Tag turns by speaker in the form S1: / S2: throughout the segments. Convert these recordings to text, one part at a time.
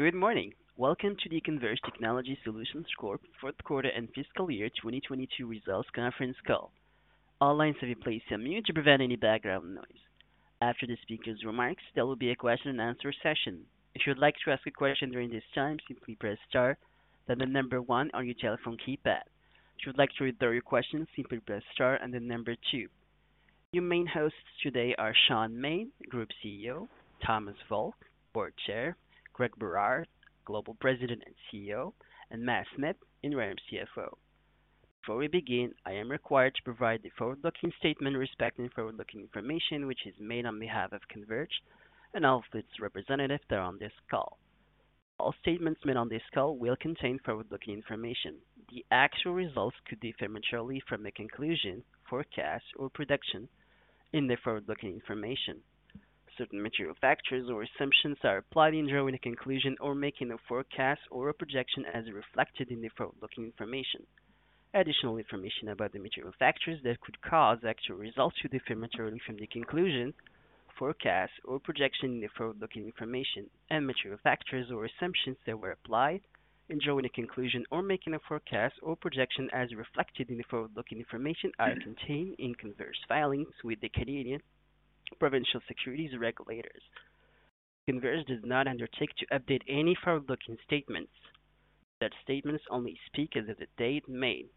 S1: Good morning. Welcome to the Converge Technology Solutions Corp fourth quarter and fiscal year 2022 results conference call. All lines have been placed on mute to prevent any background noise. After the speaker's remarks, there will be a question-and-answer session. If you would like to ask a question during this time, simply press star, then the one on your telephone keypad. If you would like to withdraw your question, simply press star and then two. Your main hosts today are Shaun Maine, Group CEO, Thomas Volk, Board Chair, Greg Berard, Global President and CEO, and Matt Smith, Interim CFO. Before we begin, I am required to provide the forward-looking statement respecting forward-looking information which is made on behalf of Converge and all of its representatives that are on this call. All statements made on this call will contain forward-looking information. The actual results could differ materially from the conclusion, forecast or production in the forward-looking information. Certain material factors or assumptions are applied in drawing a conclusion or making a forecast or a projection as reflected in the forward-looking information. Additional information about the material factors that could cause actual results to differ materially from the conclusion, forecast or projection in the forward-looking information and material factors or assumptions that were applied in drawing a conclusion or making a forecast or projection as reflected in the forward-looking information are contained in Converge filings with the Canadian Provincial Securities Regulators. Converge does not undertake to update any forward-looking statements. Such statements only speak as of the date made.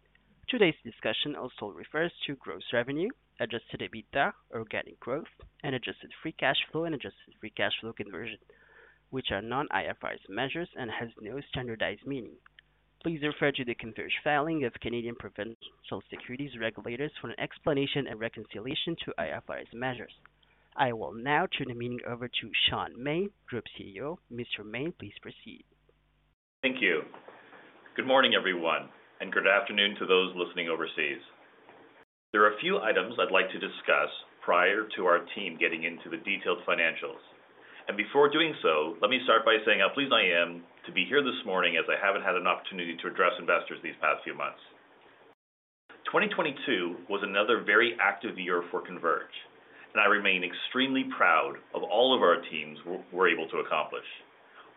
S1: Today's discussion also refers to gross revenue, adjusted EBITDA, organic growth, and adjusted free cash flow, and adjusted free cash flow conversion, which are non-IFRS measures and has no standardized meaning. Please refer to the Converge filing of Canadian Provincial Securities Regulators for an explanation and reconciliation to IFRS measures. I will now turn the meeting over to Shaun Maine, Group CEO. Mr. Maine, please proceed.
S2: Thank you. Good morning, everyone. Good afternoon to those listening overseas. There are a few items I'd like to discuss prior to our team getting into the detailed financials. Before doing so, let me start by saying how pleased I am to be here this morning, as I haven't had an opportunity to address investors these past few months. 2022 was another very active year for Converge. I remain extremely proud of all of our teams we're able to accomplish.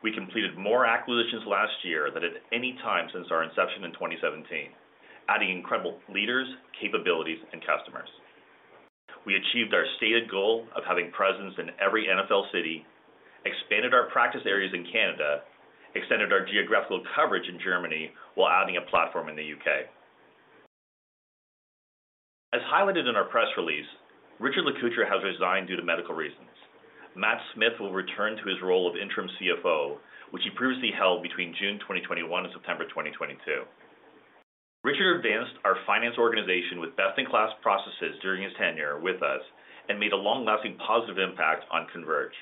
S2: We completed more acquisitions last year than at any time since our inception in 2017, adding incredible leaders, capabilities, and customers. We achieved our stated goal of having presence in every NFL city, expanded our practice areas in Canada, extended our geographical coverage in Germany while adding a platform in the U.K. As highlighted in our press release, Richard Lecoutre has resigned due to medical reasons. Matt Smith will return to his role of interim CFO, which he previously held between June 2021 and September 2022. Richard advanced our finance organization with best-in-class processes during his tenure with us and made a long-lasting positive impact on Converge.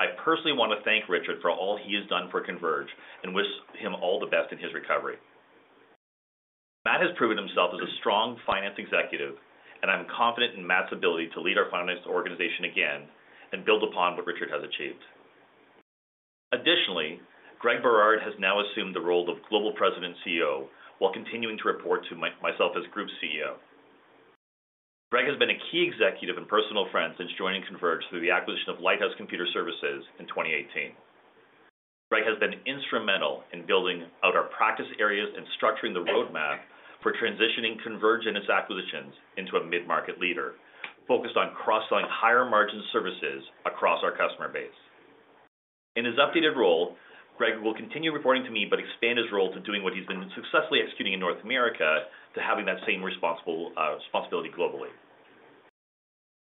S2: I personally want to thank Richard for all he has done for Converge and wish him all the best in his recovery. Matt has proven himself as a strong finance executive, and I'm confident in Matt's ability to lead our finance organization again and build upon what Richard has achieved. Additionally, Greg Berard has now assumed the role of Global President CEO while continuing to report to myself as Group CEO. Greg has been a key executive and personal friend since joining Converge through the acquisition of Lighthouse Computer Services in 2018. Greg has been instrumental in building out our practice areas and structuring the roadmap for transitioning Converge and its acquisitions into a mid-market leader, focused on cross-selling higher margin services across our customer base. In his updated role, Greg will continue reporting to me, but expand his role to doing what he's been successfully executing in North America to having that same responsible responsibility globally.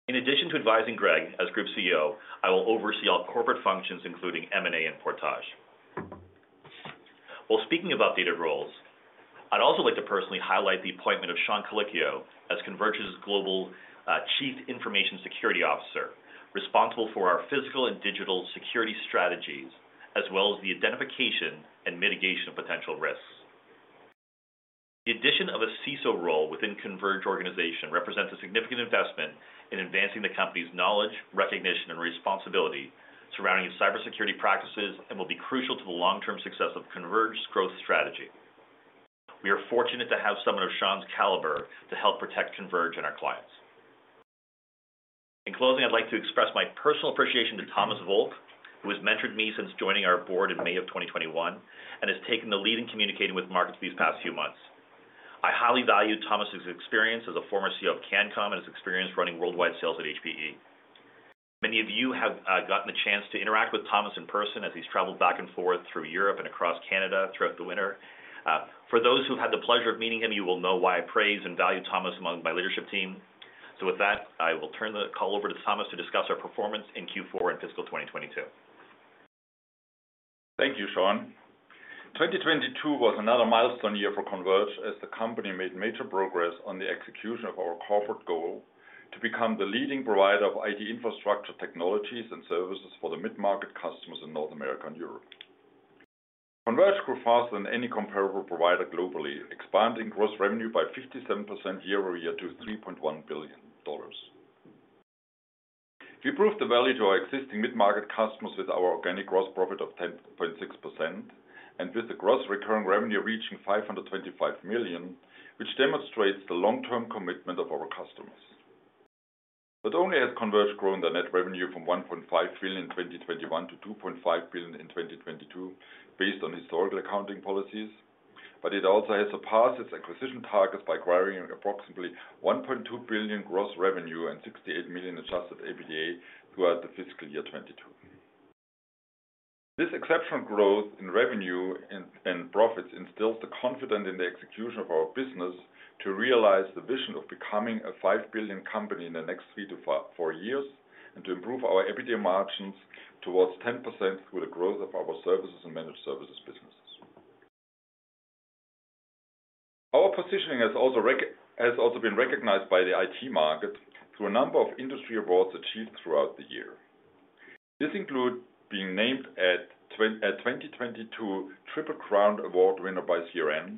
S2: In addition to advising Greg as Group CEO, I will oversee all corporate functions, including M&A and Portage. While speaking of updated roles, I'd also like to personally highlight the appointment of Sean Colicchio as Converge's Global Chief Information Security Officer, responsible for our physical and digital security strategies, as well as the identification and mitigation of potential risks. The addition of a CISO role within Converge organization represents a significant investment in advancing the company's knowledge, recognition, and responsibility surrounding cybersecurity practices and will be crucial to the long-term success of Converge's growth strategy. We are fortunate to have someone of Sean's caliber to help protect Converge and our clients. In closing, I'd like to express my personal appreciation to Thomas Volk, who has mentored me since joining our board in May of 2021 and has taken the lead in communicating with markets these past few months. I highly value Thomas' experience as a former CEO of Cancom and his experience running worldwide sales at HPE. Many of you have gotten the chance to interact with Thomas in person as he's traveled back and forth through Europe and across Canada throughout the winter. For those who had the pleasure of meeting him, you will know why I praise and value Thomas among my leadership team. With that, I will turn the call over to Thomas to discuss our performance in Q4 and fiscal 2022.
S3: Thank you, Sean. 2022 was another milestone year for Converge as the company made major progress on the execution of our corporate goal to become the leading provider of IT infrastructure, technologies, and services for the mid-market customers in North America and Europe. Converge grew faster than any comparable provider globally, expanding gross revenue by 57% year-over-year to $3.1 billion. We proved the value to our existing mid-market customers with our organic gross profit of 10.6% and with the Gross Recurring Revenue reaching $525 million, which demonstrates the long-term commitment of our customers. Not only has Converge grown their net revenue from 1.5 billion in 2021 to 2.5 billion in 2022 based on historical accounting policies, but it also has surpassed its acquisition targets by acquiring approximately 1.2 billion gross revenue and 68 million adjusted EBITDA throughout the fiscal year 2022. This exceptional growth in revenue and profits instills the confidence in the execution of our business to realize the vision of becoming a 5 billion company in the next three to four years and to improve our EBITDA margins towards 10% through the growth of our services and managed services businesses. Our positioning has also been recognized by the IT market through a number of industry awards achieved throughout the year. This includes being named at 2022 Triple Crown Award winner by CRN,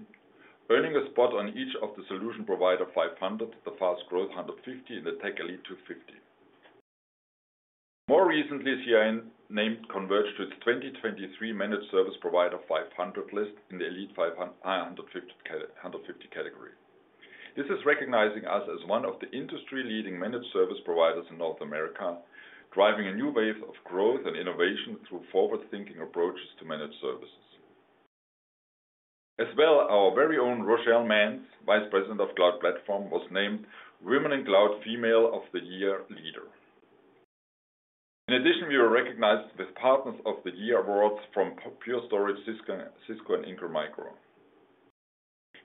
S3: earning a spot on each of the Solution Provider 500, the Fast Growth 150, and the Tech Elite 250. More recently, CRN named Converge to its 2023 Managed Service Provider 500 list in the Elite 550 category. This is recognizing us as one of the industry-leading managed service providers in North America, driving a new wave of growth and innovation through forward-thinking approaches to managed services. As well, our very own Rochelle Manns, Vice President of Cloud Platform, was named Women in Cloud Female of the Year Leader. In addition, we were recognized with Partners of the Year awards from Pure Storage, Cisco, and Ingram Micro.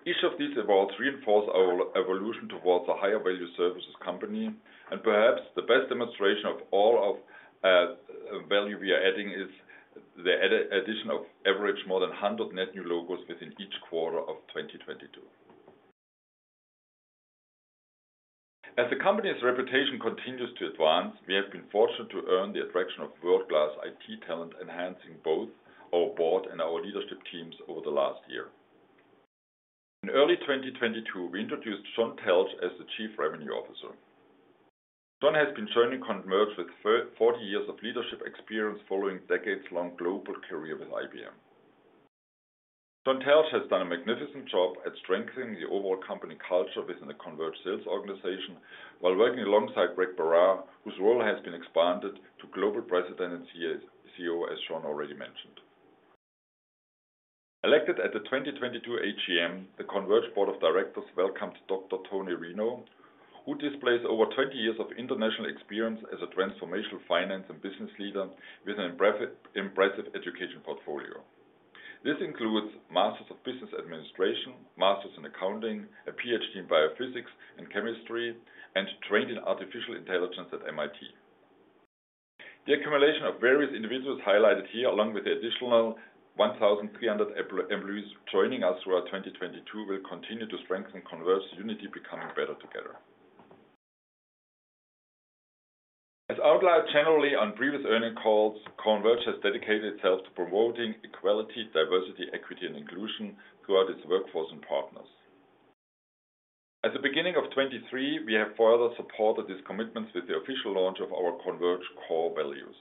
S3: Each of these awards reinforce our evolution towards a higher value services company. Perhaps the best demonstration of all of value we are adding is the addition of average more than 100 net new logos within each quarter of 2022. As the company's reputation continues to advance, we have been fortunate to earn the attraction of world-class IT talent, enhancing both our board and our leadership teams over the last year. In early 2022, we introduced John Teltsch as the Chief Revenue Officer. John Teltsch has been joining Converge with 40 years of leadership experience following decades-long global career with IBM. John Teltsch has done a magnificent job at strengthening the overall company culture within the Converge sales organization while working alongside Greg Berard, whose role has been expanded to Global President and CEO as Sean already mentioned. Elected at the 2022 AGM, the Converge Board of Directors welcomed Dr. Tony Reno, who displays over 20 years of international experience as a transformational finance and business leader with an impressive education portfolio. This includes Masters of Business Administration, Masters in Accounting, a PhD in Biophysics and Chemistry, and trained in artificial intelligence at MIT. The accumulation of various individuals highlighted here, along with the additional 1,300 employees joining us throughout 2022, will continue to strengthen Converge unity becoming better together. As outlined generally on previous earnings calls, Converge has dedicated itself to promoting equality, diversity, equity, and inclusion throughout its workforce and partners. At the beginning of 2023, we have further supported these commitments with the official launch of our Converge core values.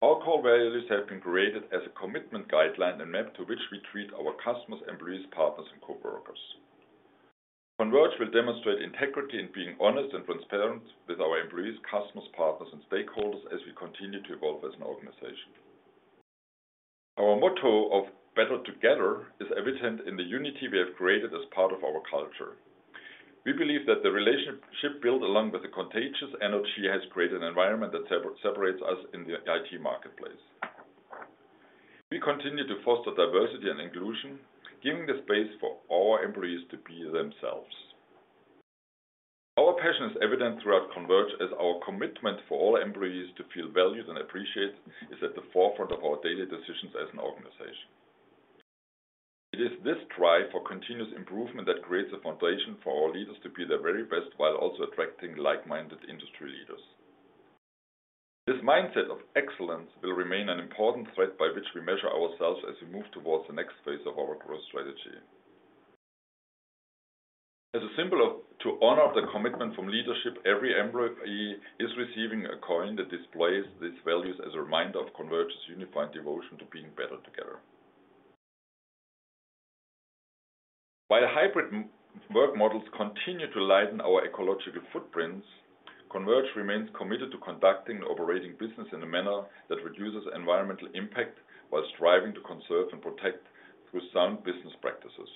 S3: Our core values have been created as a commitment guideline and map to which we treat our customers, employees, partners, and coworkers. Converge will demonstrate integrity in being honest and transparent with our employees, customers, partners, and stakeholders as we continue to evolve as an organization. Our motto of better together is evident in the unity we have created as part of our culture. We believe that the relationship built along with the contagious energy has created an environment that separates us in the IT marketplace. We continue to foster diversity and inclusion, giving the space for all employees to be themselves. Our passion is evident throughout Converge as our commitment for all employees to feel valued and appreciated is at the forefront of our daily decisions as an organization. It is this drive for continuous improvement that creates a foundation for our leaders to be their very best while also attracting like-minded industry leaders. This mindset of excellence will remain an important thread by which we measure ourselves as we move towards the next phase of our growth strategy. As a symbol to honor the commitment from leadership, every employee is receiving a coin that displays these values as a reminder of Converge's unifying devotion to being better together. While hybrid work models continue to lighten our ecological footprints, Converge remains committed to conducting and operating business in a manner that reduces environmental impact while striving to conserve and protect through sound business practices.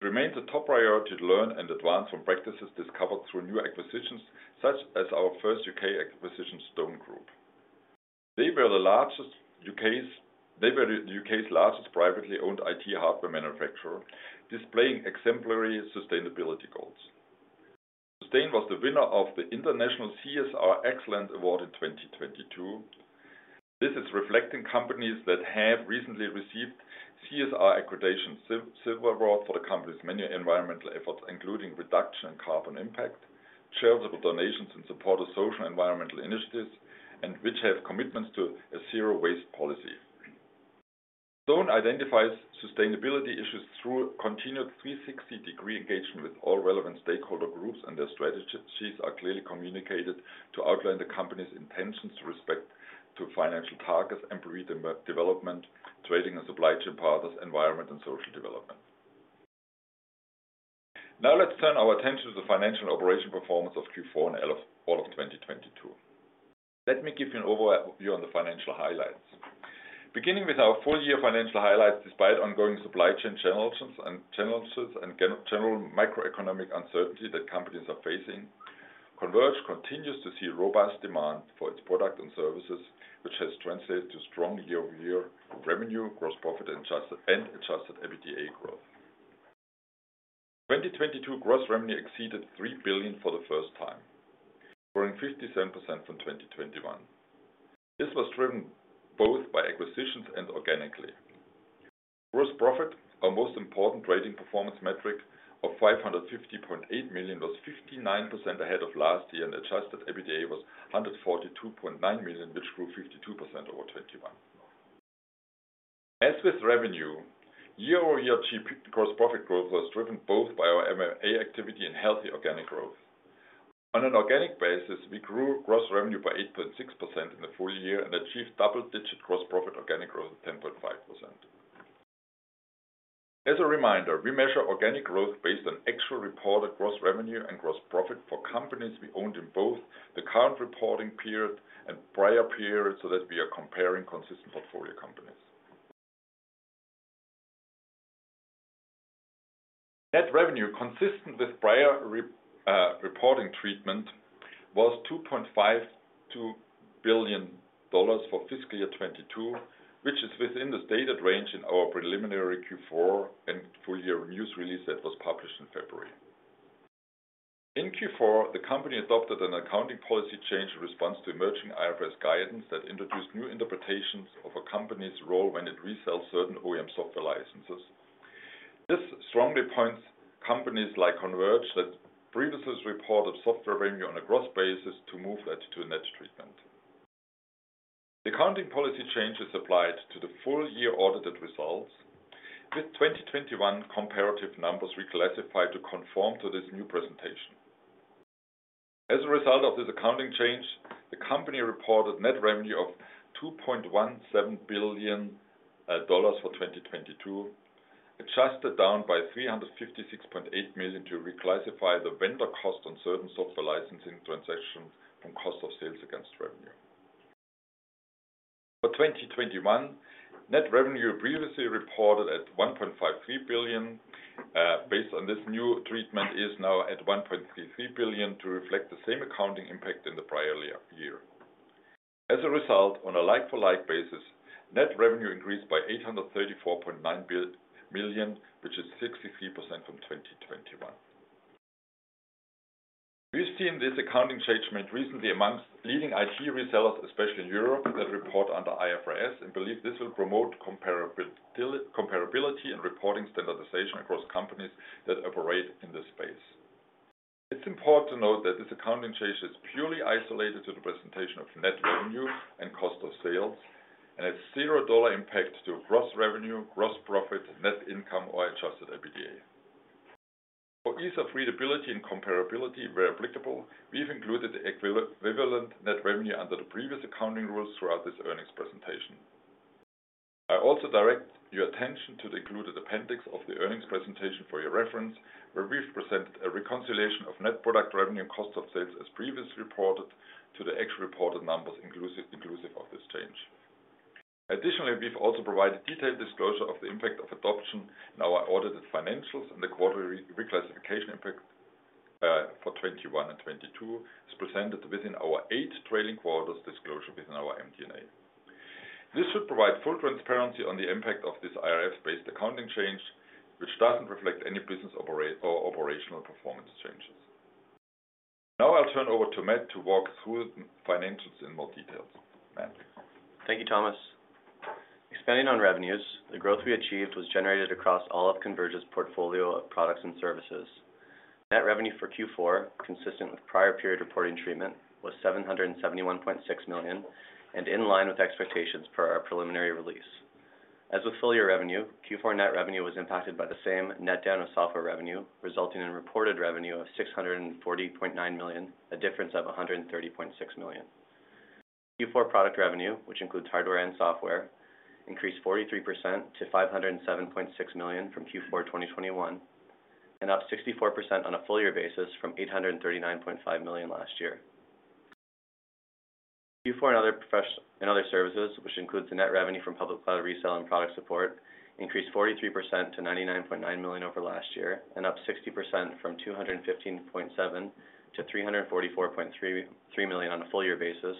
S3: It remains a top priority to learn and advance from practices discovered through new acquisitions, such as our first U.K. acquisition, Stone Group. They were the U.K.'s largest privately owned IT hardware manufacturer, displaying exemplary sustainability goals. Stone was the winner of the International CSR Excellence Award in 2022. This is reflecting companies that have recently received CSR accreditation silver award for the company's many environmental efforts, including reduction in carbon impact, charitable donations, and support of social environmental initiatives, which have commitments to a zero-waste policy. Stone identifies sustainability issues through continued 360-degree engagement with all relevant stakeholder groups. Their strategies are clearly communicated to outline the company's intentions to respect to financial targets, employee development, trading and supply chain partners, environment and social development. Let's turn our attention to the financial operation performance of Q4 and all of 2022. Let me give you an overview on the financial highlights. Beginning with our full year financial highlights, despite ongoing supply chain challenges and general macroeconomic uncertainty that companies are facing, Converge continues to see robust demand for its products and services, which has translated to strong year-over-year revenue, gross profit and adjusted EBITDA growth. 2022 gross revenue exceeded $3 billion for the first time, growing 57% from 2021. This was driven both by acquisitions and organically. Gross profit, our most important rating performance metric of $550.8 million, was 59% ahead of last year, and adjusted EBITDA was $142.9 million, which grew 52% over 2021. As with revenue, year-over-year gross profit growth was driven both by our M&A activity and healthy organic growth. On an organic basis, we grew gross revenue by 8.6% in the full year and achieved double-digit gross profit organic growth of 10.5%. As a reminder, we measure organic growth based on actual reported gross revenue and gross profit for companies we owned in both the current reporting period and prior periods, so that we are comparing consistent portfolio companies. Net revenue, consistent with prior reporting treatment, was 2.52 billion dollars for fiscal year 2022, which is within the stated range in our preliminary Q4 and full year news release that was published in February. In Q4, the company adopted an accounting policy change in response to emerging IFRS guidance that introduced new interpretations of a company's role when it resells certain OEM software licenses. This strongly points companies like Converge that previously reported software revenue on a gross basis to move that to a net treatment. The accounting policy change is applied to the full year audited results, with 2021 comparative numbers reclassified to conform to this new presentation. As a result of this accounting change, the company reported net revenue of $2.17 billion for 2022, adjusted down by $356.8 million to reclassify the vendor cost on certain software licensing transactions from cost of sales against revenue. For 2021, net revenue previously reported at $1.53 billion, based on this new treatment, is now at $1.33 billion to reflect the same accounting impact in the prior year. As a result, on a like-for-like basis, net revenue increased by 834.9 million, which is 63% from 2021. We've seen this accounting change made recently amongst leading IT resellers, especially in Europe, that report under IFRS, and believe this will promote comparability and reporting standardization across companies that operate in this space. It's important to note that this accounting change is purely isolated to the presentation of net revenue and cost of sales and has 0 dollar impact to gross revenue, gross profit, net income, or adjusted EBITDA. For ease of readability and comparability where applicable, we've included the equivalent net revenue under the previous accounting rules throughout this earnings presentation. I also direct your attention to the included appendix of the earnings presentation for your reference, where we've presented a reconciliation of net product revenue and cost of sales as previously reported to the actual reported numbers inclusive of this change. Additionally, we've also provided detailed disclosure of the impact of adoption in our audited financials and the quarterly reclassification impact for 2021 and 2022 is presented within our eight trailing quarters disclosure within our MD&A. This should provide full transparency on the impact of this IFRS-based accounting change, which doesn't reflect any operational performance changes. I'll turn over to Matt to walk through the financials in more detail. Matt?
S4: Thank you, Thomas. Expanding on revenues, the growth we achieved was generated across all of Converge's portfolio of products and services. Net revenue for Q4, consistent with prior period reporting treatment, was 771.6 million and in line with expectations per our preliminary release. As with full year revenue, Q4 net revenue was impacted by the same net down of software revenue, resulting in reported revenue of 640.9 million, a difference of 130.6 million. Q4 product revenue, which includes hardware and software, increased 43% to 507.6 million from Q4 2021, and up 64% on a full year basis from 839.5 million last year. Q4 in other services, which includes the net revenue from public cloud resell and product support, increased 43% to $99.9 million over last year, up 60% from $215.7 million to $344.3 million on a full year basis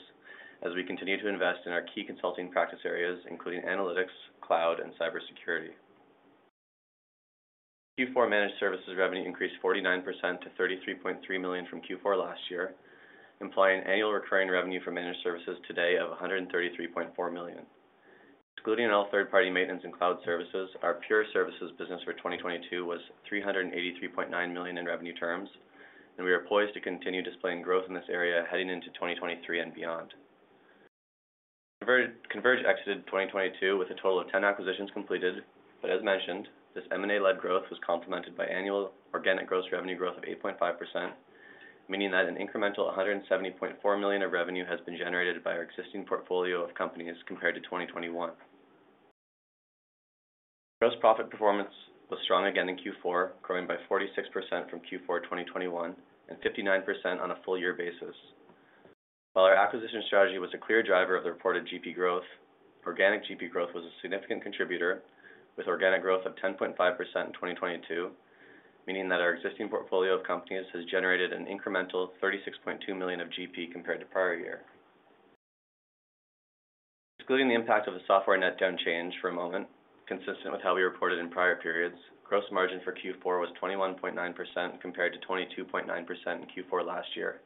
S4: as we continue to invest in our key consulting practice areas, including analytics, cloud and cybersecurity. Q4 managed services revenue increased 49% to $33.3 million from Q4 last year, implying annual recurring revenue from managed services today of $133.4 million. Excluding all third-party maintenance and cloud services, our pure services business for 2022 was $383.9 million in revenue terms, and we are poised to continue displaying growth in this area heading into 2023 and beyond. Converge exited 2022 with a total of 10 acquisitions completed. As mentioned, this M&A-led growth was complemented by annual organic gross revenue growth of 8.5%. Meaning that an incremental 170.4 million of revenue has been generated by our existing portfolio of companies compared to 2021. Gross profit performance was strong again in Q4, growing by 46% from Q4 2021, and 59% on a full year basis. While our acquisition strategy was a clear driver of the reported GP growth, organic GP growth was a significant contributor with organic growth of 10.5% in 2022, meaning that our existing portfolio of companies has generated an incremental 36.2 million of GP compared to prior year. Excluding the impact of a software net down change for a moment, consistent with how we reported in prior periods, gross margin for Q4 was 21.9% compared to 22.9% in Q4 last year.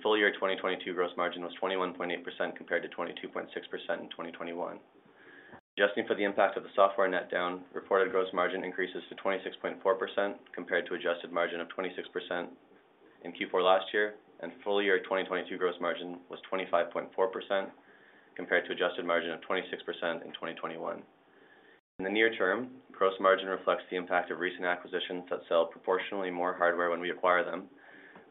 S4: Full year 2022 gross margin was 21.8% compared to 22.6% in 2021. Adjusting for the impact of the software net down, reported gross margin increases to 26.4% compared to adjusted margin of 26% in Q4 last year, and full year 2022 gross margin was 25.4% compared to adjusted margin of 26% in 2021. In the near term, gross margin reflects the impact of recent acquisitions that sell proportionally more hardware when we acquire them,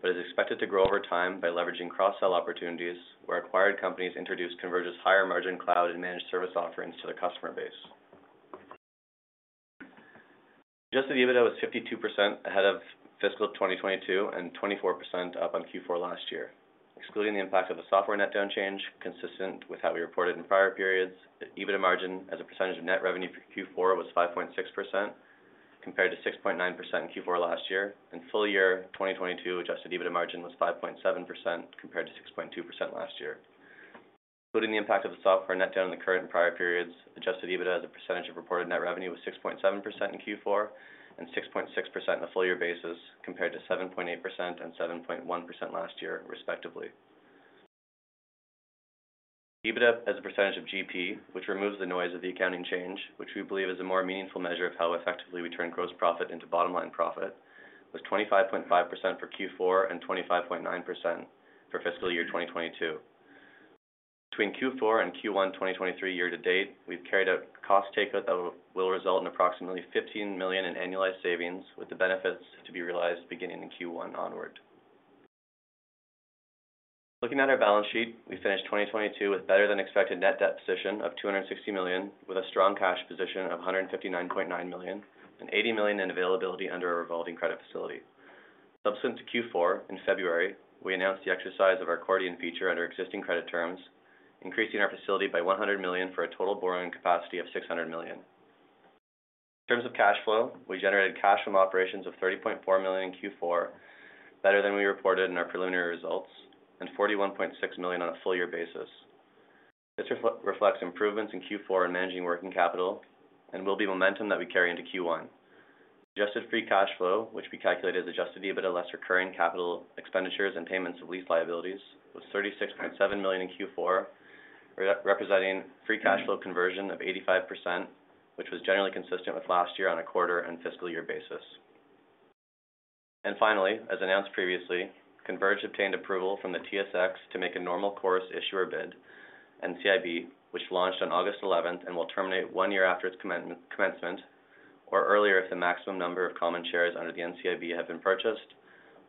S4: is expected to grow over time by leveraging cross-sell opportunities where acquired companies introduce Converge's higher margin cloud and managed service offerings to their base. Adjusted EBITDA was 52% ahead of fiscal 2022 and 24% up on Q4 last year. Excluding the impact of a software net down change, consistent with how we reported in prior periods, EBITDA margin as a percentage of net revenue for Q4 was 5.6% compared to 6.9% in Q4 last year. In full year 2022, adjusted EBITDA margin was 5.7% compared to 6.2% last year. Including the impact of the software net down in the current and prior periods, adjusted EBITDA as a percentage of reported net revenue was 6.7% in Q4 and 6.6% on a full year basis compared to 7.8% and 7.1% last year, respectively. EBITDA as a percentage of GP, which removes the noise of the accounting change, which we believe is a more meaningful measure of how effectively we turn gross profit into bottom line profit, was 25.5% for Q4 and 25.9% for fiscal year 2022. Between Q4 and Q1 2023 year-to-date, we've carried a cost takeout that will result in approximately 15 million in annualized savings, with the benefits to be realized beginning in Q1 onward. Looking at our balance sheet, we finished 2022 with better than expected net debt position of 260 million, with a strong cash position of 159.9 million and 80 million in availability under a revolving credit facility. Subsequent to Q4, in February, we announced the exercise of our accordion feature under existing credit terms, increasing our facility by 100 million for a total borrowing capacity of 600 million. In terms of cash flow, we generated cash from operations of 30.4 million in Q4, better than we reported in our preliminary results, and 41.6 million on a full year basis. This reflects improvements in Q4 in managing working capital and will be momentum that we carry into Q1. Adjusted free cash flow, which we calculated as adjusted EBITDA less recurring capital expenditures and payments of lease liabilities, was $36.7 million in Q4, representing free cash flow conversion of 85%, which was generally consistent with last year on a quarter and fiscal year basis. Finally, as announced previously, Converge obtained approval from the TSX to make a normal course issuer bid, NCIB, which launched on August 11th and will terminate one year after its commencement, or earlier if the maximum number of common shares under the NCIB have been purchased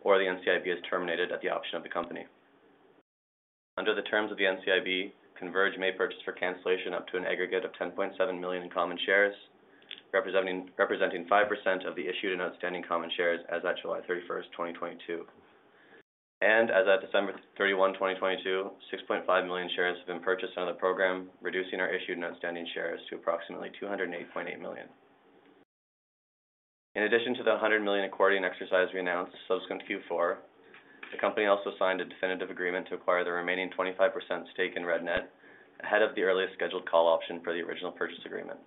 S4: or the NCIB is terminated at the option of the company. Under the terms of the NCIB, Converge may purchase for cancellation up to an aggregate of $10.7 million in common shares, representing 5% of the issued and outstanding common shares as at July 31st, 2022. As at December 31, 2022, 6.5 million shares have been purchased on the program, reducing our issued and outstanding shares to approximately 208.8 million. In addition to the 100 million accordion exercise we announced subsequent to Q4, the company also signed a definitive agreement to acquire the remaining 25% stake in RedNet ahead of the earliest scheduled call option for the original purchase agreement.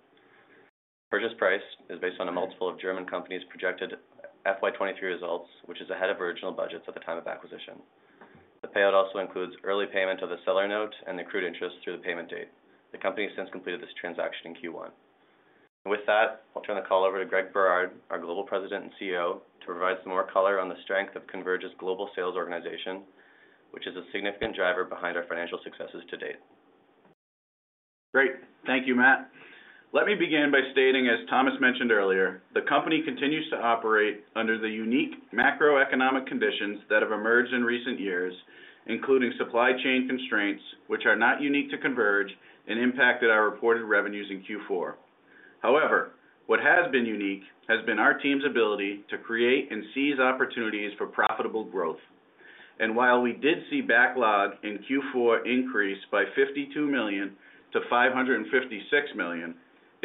S4: Purchase price is based on a multiple of German companies' projected FY 2023 results, which is ahead of original budgets at the time of acquisition. The payout also includes early payment of the seller note and accrued interest through the payment date. The company has since completed this transaction in Q1. With that, I'll turn the call over to Greg Berard, our Global President and CEO, to provide some more color on the strength of Converge's global sales organization, which is a significant driver behind our financial successes to date.
S5: Great. Thank you, Matt. Let me begin by stating, as Thomas mentioned earlier, the company continues to operate under the unique macroeconomic conditions that have emerged in recent years, including supply chain constraints, which are not unique to Converge and impacted our reported revenues in Q4. However, what has been unique has been our team's ability to create and seize opportunities for profitable growth. While we did see backlog in Q4 increase by 52 million to 556 million,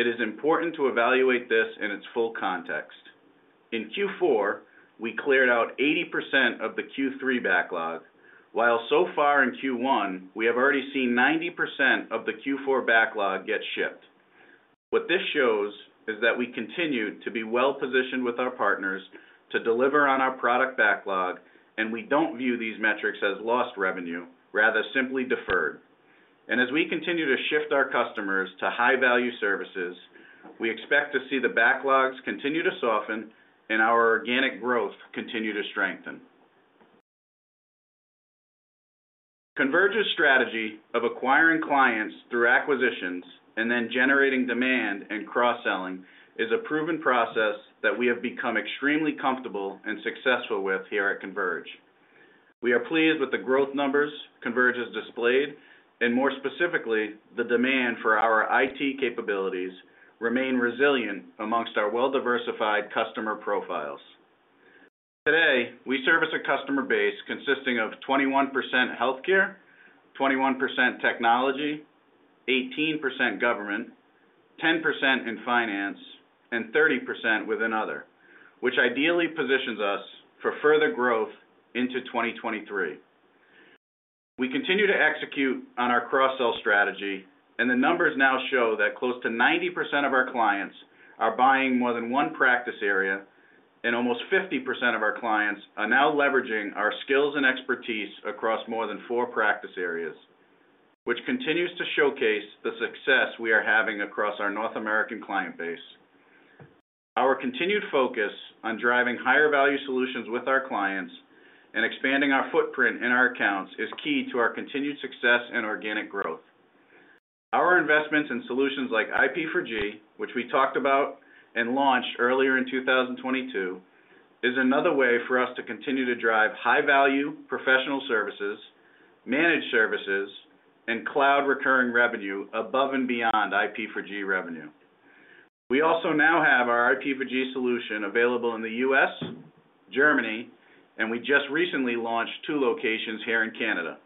S5: it is important to evaluate this in its full context. In Q4, we cleared out 80% of the Q3 backlog, while so far in Q1, we have already seen 90% of the Q4 backlog get shipped. What this shows is that we continue to be well-positioned with our partners to deliver on our product backlog, and we don't view these metrics as lost revenue, rather simply deferred. As we continue to shift our customers to high-value services, we expect to see the backlogs continue to soften and our organic growth continue to strengthen. Converge's strategy of acquiring clients through acquisitions and then generating demand and cross-selling is a proven process that we have become extremely comfortable and successful with here at Converge. We are pleased with the growth numbers Converge has displayed, and more specifically, the demand for our IT capabilities remain resilient amongst our well-diversified customer profiles. Today, we service a customer base consisting of 21% healthcare, 21% technology, 18% government, 10% in finance, and 30% within other, which ideally positions us for further growth into 2023. We continue to execute on our cross-sell strategy, and the numbers now show that close to 90% of our clients are buying more than one practice area, and almost 50% of our clients are now leveraging our skills and expertise across more than four practice areas, which continues to showcase the success we are having across our North American client base. Our continued focus on driving higher value solutions with our clients and expanding our footprint in our accounts is key to our continued success and organic growth. Our investments in solutions like IP4G, which we talked about and launched earlier in 2022, is another way for us to continue to drive high value professional services, managed services, and cloud recurring revenue above and beyond IP4G revenue. We also now have our IP4G solution available in the U.S., Germany. We just recently launched two locations here in Canada.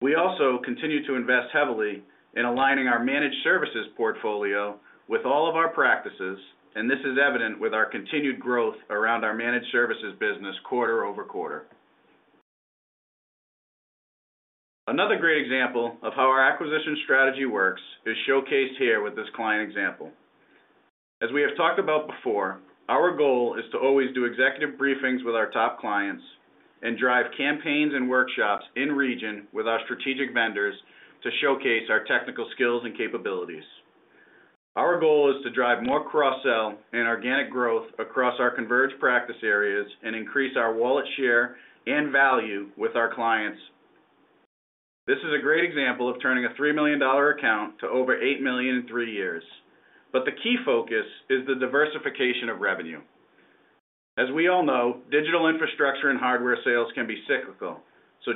S5: We also continue to invest heavily in aligning our managed services portfolio with all of our practices. This is evident with our continued growth around our managed services business quarter-over-quarter. Another great example of how our acquisition strategy works is showcased here with this client example. As we have talked about before, our goal is to always do executive briefings with our top clients and drive campaigns and workshops in region with our strategic vendors to showcase our technical skills and capabilities. Our goal is to drive more cross-sell and organic growth across our Converge practice areas and increase our wallet share and value with our clients. This is a great example of turning a $3 million account to over $8 million in three years. The key focus is the diversification of revenue. As we all know, digital infrastructure and hardware sales can be cyclical.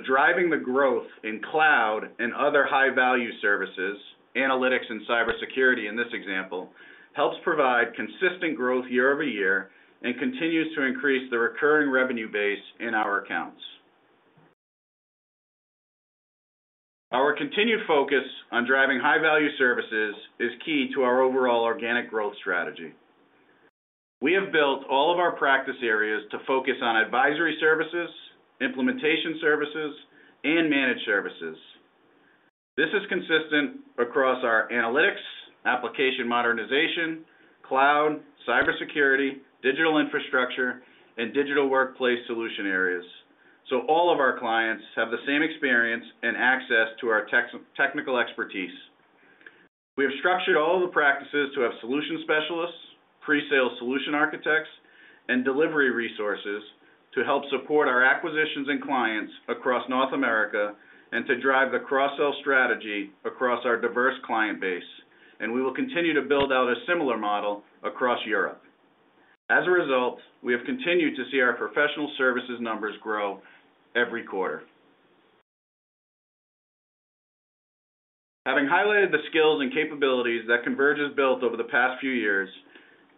S5: Driving the growth in cloud and other high-value services, analytics and cybersecurity in this example, helps provide consistent growth year-over-year and continues to increase the recurring revenue base in our accounts. Our continued focus on driving high-value services is key to our overall organic growth strategy. We have built all of our practice areas to focus on advisory services, implementation services, and managed services. This is consistent across our analytics, application modernization, cloud, cybersecurity, digital infrastructure, and digital workplace solution areas. All of our clients have the same experience and access to our technical expertise. We have structured all the practices to have solution specialists, pre-sale solution architects, and delivery resources to help support our acquisitions and clients across North America and to drive the cross-sell strategy across our diverse client base. We will continue to build out a similar model across Europe. As a result, we have continued to see our professional services numbers grow every quarter. Having highlighted the skills and capabilities that Converge has built over the past few years,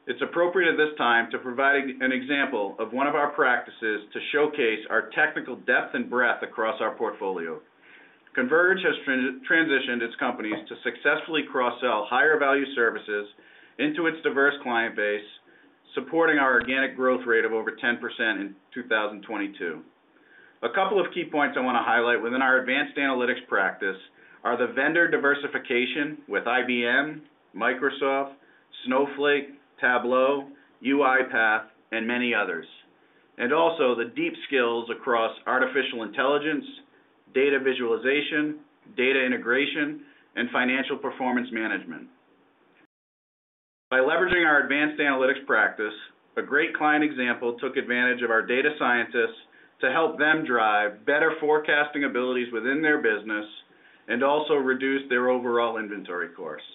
S5: it's appropriate at this time to provide an example of one of our practices to showcase our technical depth and breadth across our portfolio. Converge has transitioned its companies to successfully cross-sell higher value services into its diverse client base, supporting our organic growth rate of over 10% in 2022. A couple of key points I wanna highlight within our advanced analytics practice are the vendor diversification with IBM, Microsoft, Snowflake, Tableau, UiPath, and many others, and also the deep skills across artificial intelligence, data visualization, data integration, and financial performance management. By leveraging our advanced analytics practice, a great client example took advantage of our data scientists to help them drive better forecasting abilities within their business and also reduce their overall inventory costs.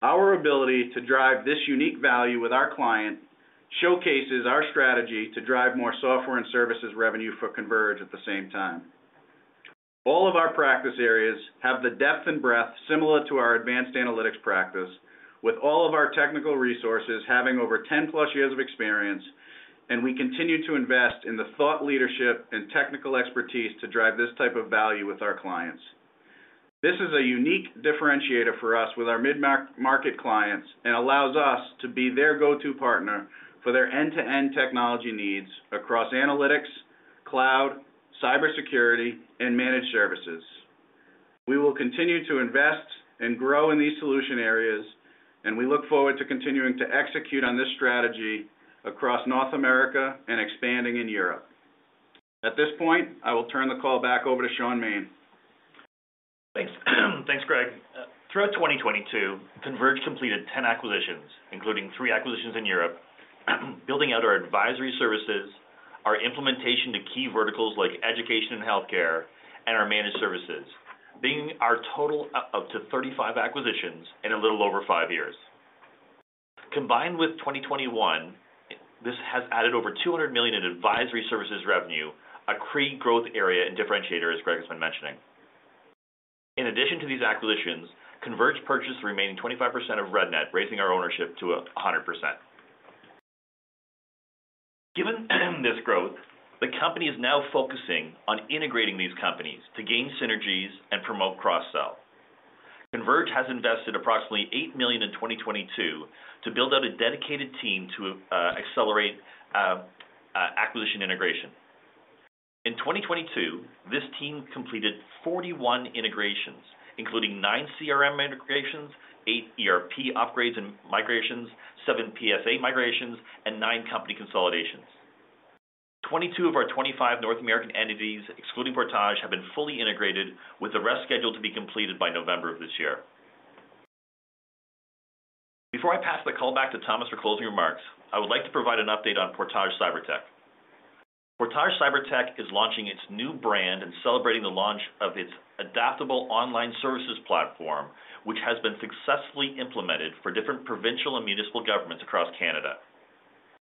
S5: Our ability to drive this unique value with our client showcases our strategy to drive more software and services revenue for Converge at the same time. All of our practice areas have the depth and breadth similar to our advanced analytics practice with all of our technical resources having over 10+ years of experience. We continue to invest in the thought leadership and technical expertise to drive this type of value with our clients. This is a unique differentiator for us with our mid-market clients and allows us to be their go-to partner for their end-to-end technology needs across analytics, cloud, cybersecurity, and managed services. We will continue to invest and grow in these solution areas. We look forward to continuing to execute on this strategy across North America and expanding in Europe. At this point, I will turn the call back over to Shaun Maine.
S2: Throughout 2022, Converge completed 10 acquisitions, including three acquisitions in Europe, building out our advisory services, our implementation to key verticals like education and healthcare and our managed services. Bringing our total up to 35 acquisitions in a little over five years. Combined with 2021, this has added over 200 million in advisory services revenue, a key growth area and differentiator, as Greg has been mentioning. In addition to these acquisitions, Converge purchased the remaining 25% of RedNet, raising our ownership to 100%. Given this growth, the company is now focusing on integrating these companies to gain synergies and promote cross-sell. Converge has invested approximately 8 million in 2022 to build out a dedicated team to accelerate acquisition integration. In 2022, this team completed 41 integrations, including 9 CRM integrations, 8 ERP upgrades and migrations, seven PSA migrations, and nine company consolidations. 22 of our 25 North American entities, excluding Portage, have been fully integrated, with the rest scheduled to be completed by November of this year. Before I pass the call back to Thomas for closing remarks, I would like to provide an update on Portage Cybertech. Portage Cybertech is launching its new brand and celebrating the launch of its adaptable online services platform, which has been successfully implemented for different provincial and municipal governments across Canada.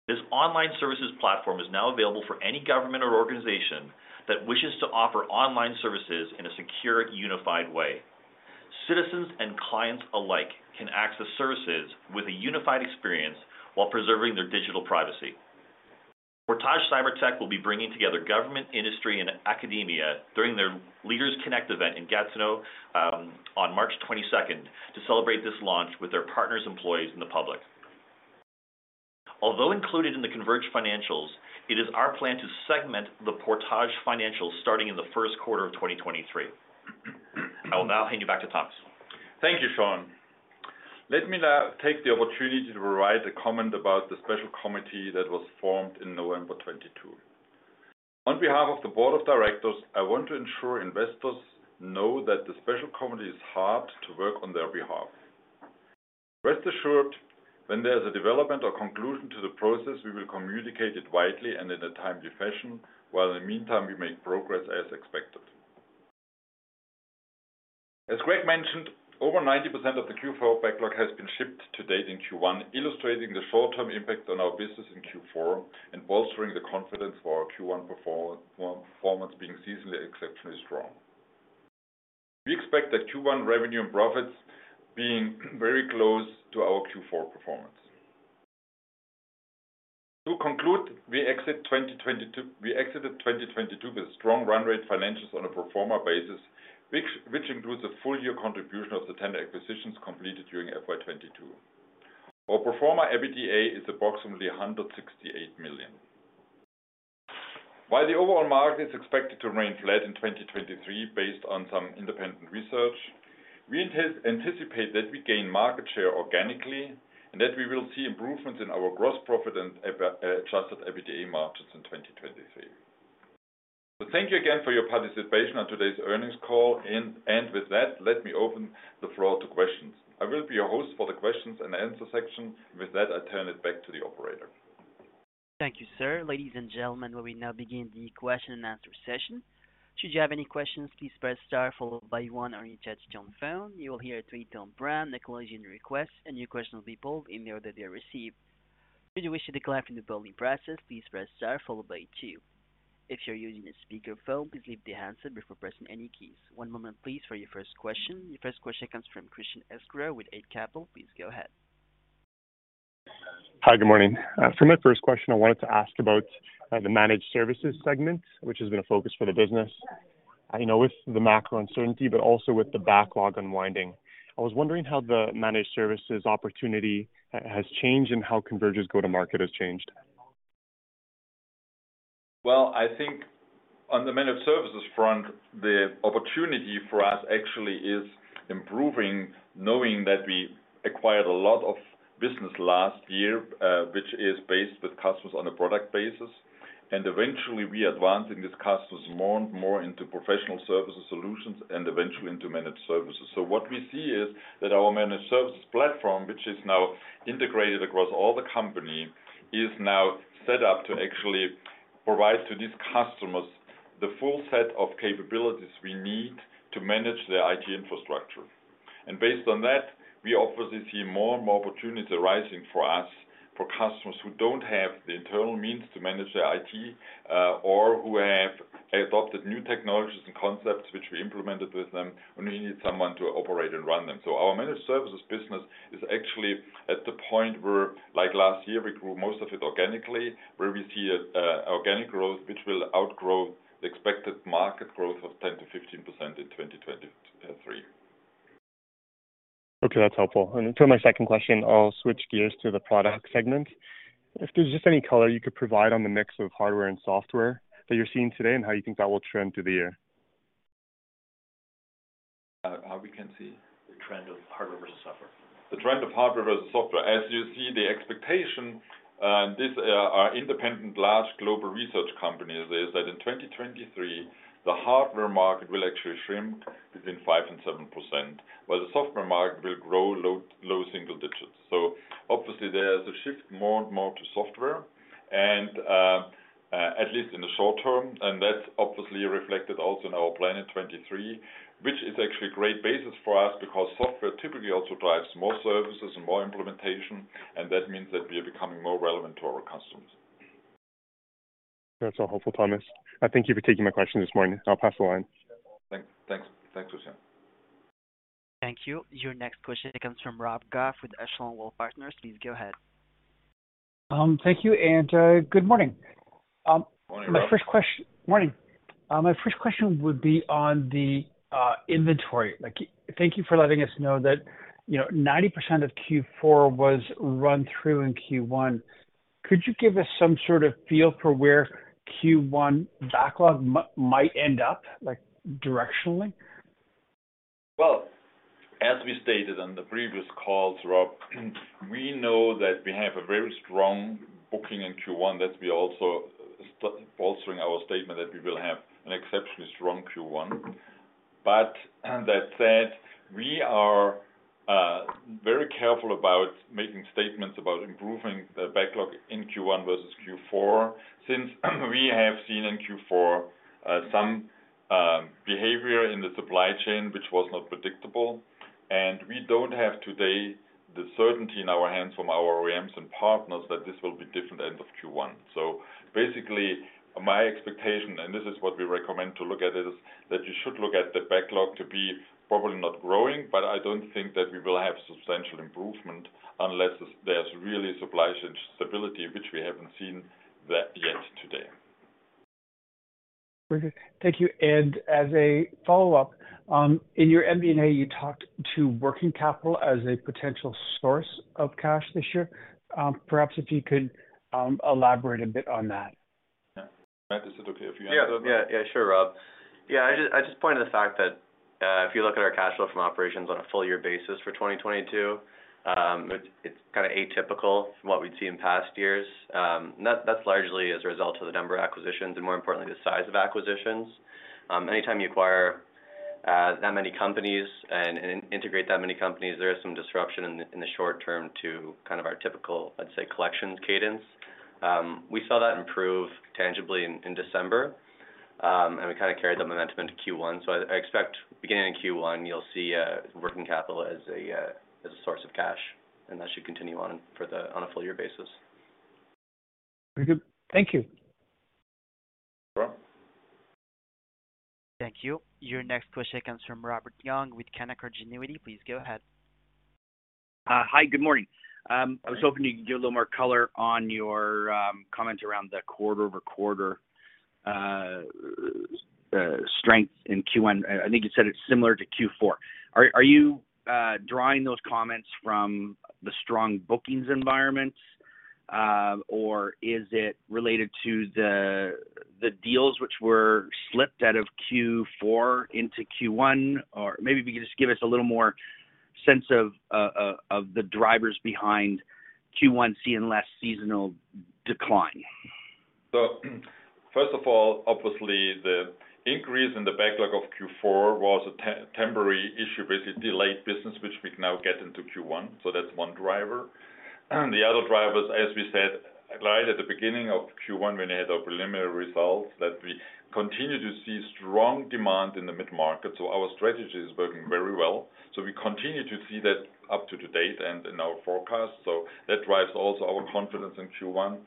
S2: This online services platform is now available for any government or organization that wishes to offer online services in a secure, unified way. Citizens and clients alike can access services with a unified experience while preserving their digital privacy. Portage Cybertech will be bringing together government, industry, and academia during their Leaders Connect event in Gatineau, on March 22nd to celebrate this launch with their partners, employees, and the public. Although included in the Converge financials, it is our plan to segment the Portage financials starting in the first quarter of 2023. I will now hand you back to Thomas.
S3: Thank you, Shaun. Let me now take the opportunity to provide a comment about the special committee that was formed in November 2022. On behalf of the board of directors, I want to ensure investors know that the special committee is hard to work on their behalf. Rest assured, when there's a development or conclusion to the process, we will communicate it widely and in a timely fashion, while in the meantime, we make progress as expected. As Greg mentioned, over 90% of the Q4 backlog has been shipped to date in Q1, illustrating the short-term impact on our business in Q4 and bolstering the confidence for our Q1 performance being seasonally exceptionally strong. We expect the Q1 revenue and profits being very close to our Q4 performance. To conclude, we exited 2022 with strong run rate financials on a pro forma basis, which includes a full year contribution of the tender acquisitions completed during FY 2022. Our pro forma EBITDA is approximately 168 million. While the overall market is expected to remain flat in 2023, based on some independent research, we anticipate that we gain market share organically and that we will see improvements in our gross profit and adjusted EBITDA margins in 2023. Thank you again for your participation on today's earnings call. With that, let me open the floor to questions. I will be your host for the questions and answer section. I turn it back to the operator.
S1: Thank you, sir. Ladies and gentlemen, we now begin the question-and-answer session. Should you have any questions, please press star followed by one on your touch-tone phone. You will hear a three-tone brown acknowledging your request, and your question will be pulled in the order they are received. Should you wish to decline from the polling process, please press star followed by two. If you're using a speakerphone, please leave the handset before pressing any keys. One moment please for your first question. Your first question comes from Christian Sgro with Eight Capital. Please go ahead.
S6: Hi, good morning. For my first question, I wanted to ask about the managed services segment, which has been a focus for the business. I know with the macro uncertainty, but also with the backlog unwinding. I was wondering how the managed services opportunity has changed and how Converge's go-to-market has changed?
S3: Well, I think on the managed services front, the opportunity for us actually is improving, knowing that we acquired a lot of business last year, which is based with customers on a product basis. Eventually we advance in these customers more and more into professional services solutions and eventually into managed services. What we see is that our managed services platform, which is now integrated across all the company, is now set up to actually provide to these customers the full set of capabilities we need to manage their IT infrastructure. Based on that, we obviously see more and more opportunities arising for us, for customers who don't have the internal means to manage their IT, or who have adopted new technologies and concepts which we implemented with them, and they need someone to operate and run them. Our managed services business is actually at the point where, like last year, we grew most of it organically, where we see organic growth, which will outgrow the expected market growth of 10%-15% in 2023.
S6: Okay, that's helpful. For my second question, I'll switch gears to the product segment. If there's just any color you could provide on the mix of hardware and software that you're seeing today, and how you think that will trend through the year? How we can see the trend of hardware versus software.
S3: As you see, the expectation, and these are independent, large global research companies, is that in 2023, the hardware market will actually shrink between 5% and 7%, while the software market will grow low, low single digits. Obviously, there's a shift more and more to software and, at least in the short term, and that's obviously reflected also in our plan in 2023, which is actually a great basis for us because software typically also drives more services and more implementation, and that means that we are becoming more relevant to our customers.
S6: That's all helpful, Thomas. Thank you for taking my question this morning. I'll pass the line.
S3: Thanks. Thanks, Christian.
S1: Thank you. Your next question comes from Rob Goff with Echelon Wealth Partners. Please go ahead.
S7: Thank you, good morning.
S3: Morning, Rob.
S7: Morning. My first question would be on the inventory. Like, thank you for letting us know that, you know, 90% of Q4 was run through in Q1. Could you give us some sort of feel for where Q1 backlog might end up, like directionally?
S3: Well, as we stated on the previous calls, Rob, we know that we have a very strong booking in Q1. We also bolstering our statement that we will have an exceptionally strong Q1. That said, we are very careful about making statements about improving the backlog in Q1 versus Q4, since we have seen in Q4 some behavior in the supply chain, which was not predictable. We don't have today the certainty in our hands from our OEMs and partners that this will be different end of Q1. Basically, my expectation, and this is what we recommend to look at it, is that you should look at the backlog to be probably not growing, but I don't think that we will have substantial improvement unless there's really supply chain stability, which we haven't seen that yet today.
S7: Very good. Thank you. As a follow-up, in your MBA, you talked to working capital as a potential source of cash this year. Perhaps if you could elaborate a bit on that.
S3: Yeah. Matt, is it okay if you handle that?
S4: Sure, Rob. I just point to the fact that if you look at our cash flow from operations on a full year basis for 2022, it's kinda atypical from what we'd see in past years. That's largely as a result of the number of acquisitions and more importantly, the size of acquisitions. Anytime you acquire that many companies and integrate that many companies, there is some disruption in the short term to kind of our typical, let's say, collections cadence. We saw that improve tangibly in December, and we kinda carried the momentum into Q1. I expect beginning in Q1, you'll see working capital as a source of cash, and that should continue on a full year basis.
S7: Very good. Thank you.
S3: No problem.
S1: Thank you. Your next question comes from Robert Young with Canaccord Genuity. Please go ahead.
S8: Hi, good morning.
S3: Morning.
S8: I was hoping you could give a little more color on your comment around the quarter-over-quarter strength in Q1. I think you said it's similar to Q4. Are you drawing those comments from the strong bookings environments, or is it related to the deals which were slipped out of Q4 into Q1? Maybe if you could just give us a little more sense of the drivers behind Q1 seeing less seasonal decline.
S3: First of all, obviously, the increase in the backlog of Q4 was a temporary issue, basically delayed business, which we can now get into Q1. That's one driver. The other drivers, as we said, right at the beginning of Q1 when we had our preliminary results, that we continue to see strong demand in the mid-market. Our strategy is working very well. We continue to see that up to date and in our forecast. That drives also our confidence in Q1.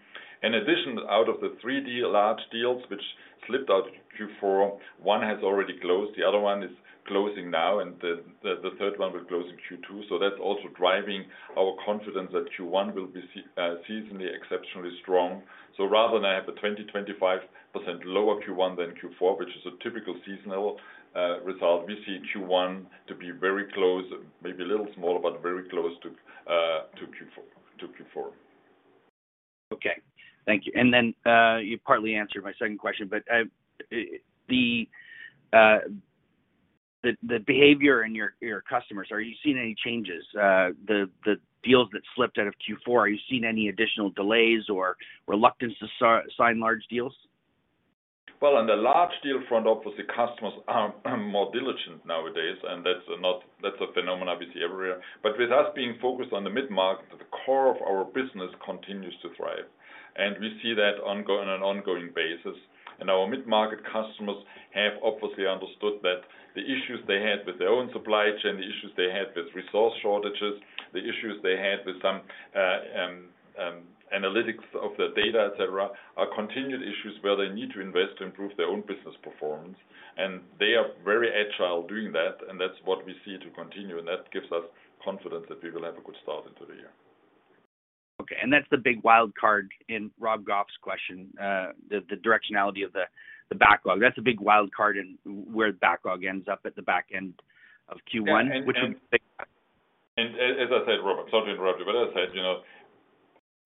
S3: In addition, out of the three large deals which slipped out Q4, one has already closed, the other one is closing now, and the third one will close in Q2. That's also driving our confidence that Q1 will be seasonally exceptionally strong. Rather than have a 20%-25% lower Q1 than Q4, which is a typical seasonal result, we see Q1 to be very close, maybe a little smaller, but very close to Q4.
S8: Okay, thank you. You partly answered my second question, but the behavior in your customers, are you seeing any changes? The deals that slipped out of Q4, are you seeing any additional delays or reluctance to sign large deals?
S3: Well, on the large deal front office, the customers are more diligent nowadays, and that's a phenomena we see everywhere. With us being focused on the mid-market, the core of our business continues to thrive. We see that on an ongoing basis. Our mid-market customers have obviously understood that the issues they had with their own supply chain, the issues they had with resource shortages, the issues they had with some analytics of the data, et cetera, are continued issues where they need to invest to improve their own business performance. They are very agile doing that, and that's what we see to continue. That gives us confidence that we will have a good start into the year.
S8: Okay. That's the big wild card in Rob Goff's question, the directionality of the backlog. That's a big wild card in where the backlog ends up at the back end of Q1, which would-.
S3: As I said, Rob, sorry to interrupt you, but as I said, you know.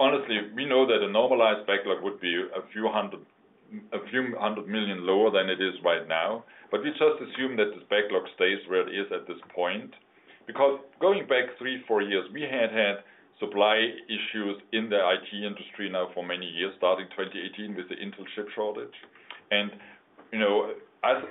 S3: Honestly, we know that a normalized backlog would be a few hundred million lower than it is right now. We just assume that this backlog stays where it is at this point. Going back three, four years, we had supply issues in the IT industry now for many years, starting 2018 with the Intel chip shortage. You know,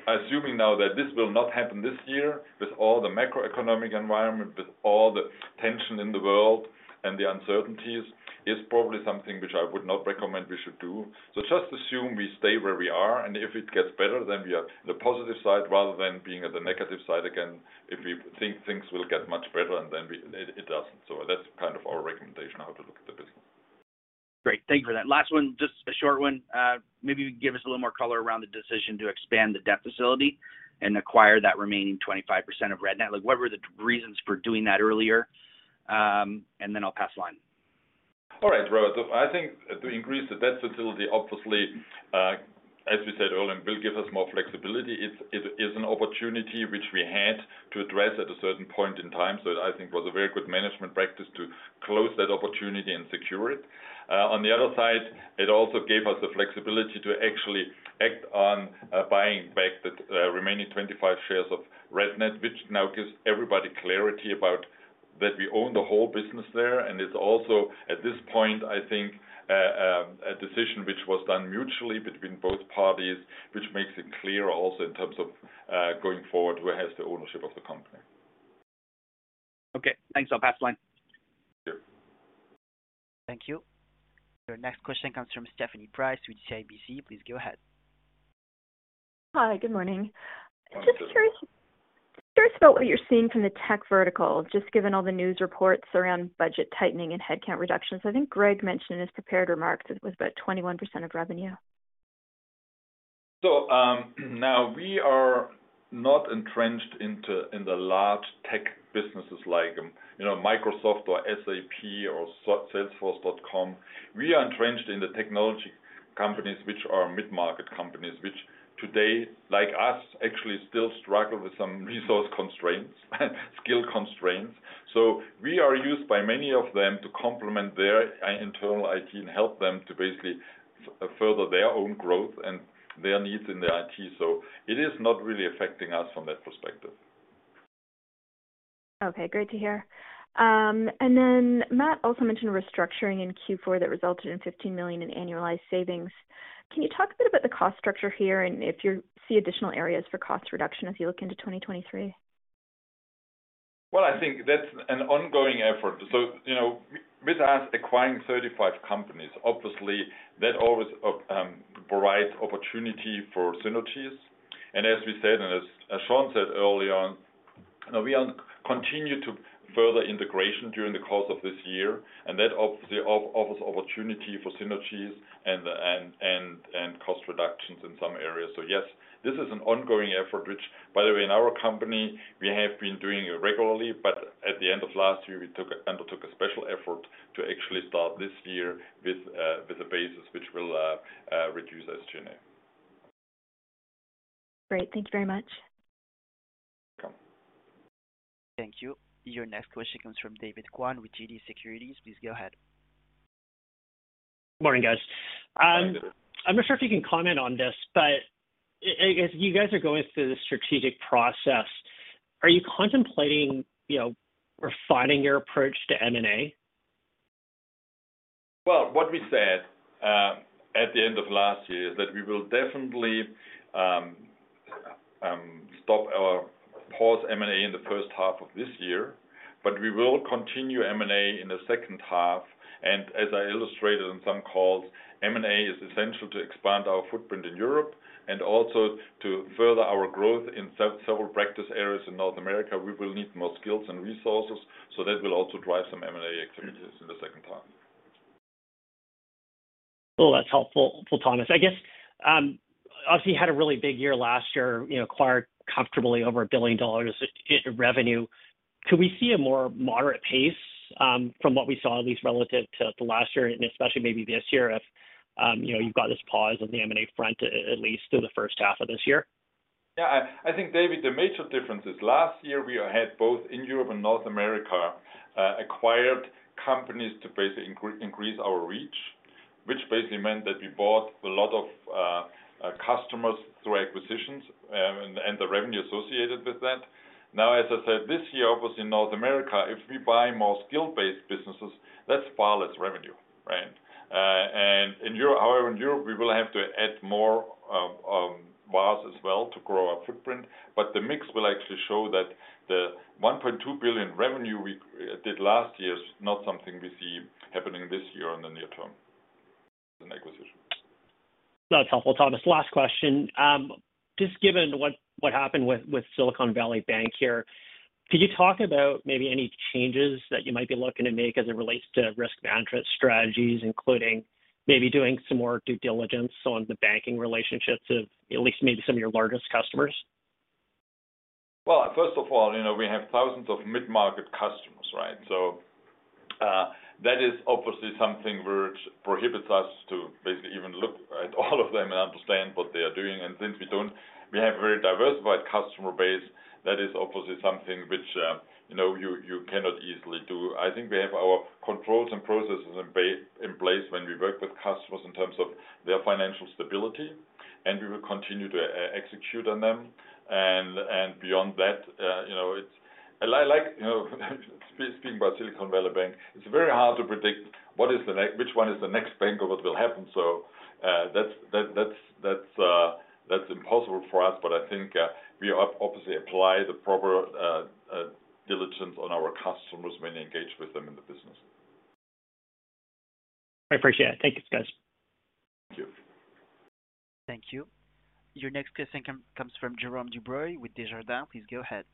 S3: assuming now that this will not happen this year with all the macroeconomic environment, with all the tension in the world and the uncertainties, is probably something which I would not recommend we should do. Just assume we stay where we are, and if it gets better, then we are the positive side rather than being at the negative side again, if we think things will get much better and then it doesn't. That's kind of our recommendation on how to look at the business.
S8: Great. Thank you for that. Last one, just a short one. Maybe give us a little more color around the decision to expand the debt facility and acquire that remaining 25% of RedNet. Like, what were the reasons for doing that earlier? I'll pass line.
S3: All right, Robert. I think to increase the debt facility, obviously, as we said earlier, will give us more flexibility. It is an opportunity which we had to address at a certain point in time. I think it was a very good management practice to close that opportunity and secure it. On the other side, it also gave us the flexibility to actually act on buying back the remaining 25 shares of RedNet, which now gives everybody clarity about that we own the whole business there. It's also, at this point, I think, a decision which was done mutually between both parties, which makes it clear also in terms of going forward, who has the ownership of the company.
S8: Okay, thanks. I'll pass line.
S3: Sure.
S1: Thank you. Your next question comes from Stephanie Price with CIBC. Please go ahead.
S9: Hi. Good morning.
S3: Good morning.
S9: Curious about what you're seeing from the tech vertical, just given all the news reports around budget tightening and headcount reductions. I think Greg mentioned in his prepared remarks it was about 21% of revenue.
S3: Now we are not entrenched into, in the large tech businesses like, you know, Microsoft or SAP or Salesforce.com. We are entrenched in the technology companies which are mid-market companies, which today, like us, actually still struggle with some resource constraints, skill constraints. We are used by many of them to complement their internal IT and help them to basically further their own growth and their needs in their IT. It is not really affecting us from that perspective.
S9: Okay, great to hear. Matt also mentioned restructuring in Q-four that resulted in 15 million in annualized savings. Can you talk a bit about the cost structure here and if you see additional areas for cost reduction as you look into 2023?
S3: Well, I think that's an ongoing effort. you know, with us acquiring 35 companies, obviously that always provides opportunity for synergies. as we said, as Shaun said early on, we continue to further integration during the course of this year, and that offers opportunity for synergies and cost reductions in some areas. yes, this is an ongoing effort, which by the way in our company, we have been doing it regularly, but at the end of last year, we undertook a special effort to actually start this year with a basis which will reduce our G&A.
S9: Great. Thank you very much.
S3: Welcome.
S1: Thank you. Your next question comes from David Kwan with TD Securities. Please go ahead.
S10: Morning, guys.
S3: Hi, David.
S10: I'm not sure if you can comment on this, as you guys are going through the strategic process, are you contemplating, you know, refining your approach to M&A?
S3: What we said at the end of last year is that we will definitely stop or pause M&A in the first half of this year, but we will continue M&A in the second half. As I illustrated on some calls, M&A is essential to expand our footprint in Europe and also to further our growth in several practice areas in North America. We will need more skills and resources, that will also drive some M&A activities in the second half.
S10: Well, that's helpful, Thomas. I guess, obviously you had a really big year last year, you know, acquired comfortably over $1 billion in revenue. Could we see a more moderate pace, from what we saw, at least relative to last year and especially maybe this year if, you know, you've got this pause on the M&A front, at least through the first half of this year?
S3: Yeah. I think, David, the major difference is last year we had both in Europe and North America, acquired companies to basically increase our reach, which basically meant that we bought a lot of customers through acquisitions, and the revenue associated with that. Now, as I said, this year, obviously in North America, if we buy more skill-based businesses, that's far less revenue, right? However, in Europe, we will have to add more miles as well to grow our footprint. The mix will actually show that the 1.2 billion revenue we did last year is not something we see happening this year in the near term in acquisitions.
S10: That's helpful, Thomas. Last question. just given what happened with Silicon Valley Bank here, could you talk about maybe any changes that you might be looking to make as it relates to risk management strategies, including maybe doing some more due diligence on the banking relationships of at least maybe some of your largest customers?
S3: Well, first of all, you know, we have thousands of mid-market customers, right? That is obviously something prohibits us to basically even look at all of them and understand what they are doing. Since we don't, we have very diversified customer base that is obviously something which, you know, you cannot easily do. I think we have our controls and processes in place when we work with customers in terms of their financial stability, and we will continue to execute on them. Beyond that, you know, speaking about Silicon Valley Bank, it's very hard to predict what is the which one is the next bank or what will happen. That's impossible for us. I think we obviously apply the proper diligence on our customers when we engage with them in the business.
S1: I appreciate it. Thank you, guys.
S3: Thank you.
S1: Thank you. Your next question comes from Jerome Dubreuil with Desjardins. Please go ahead.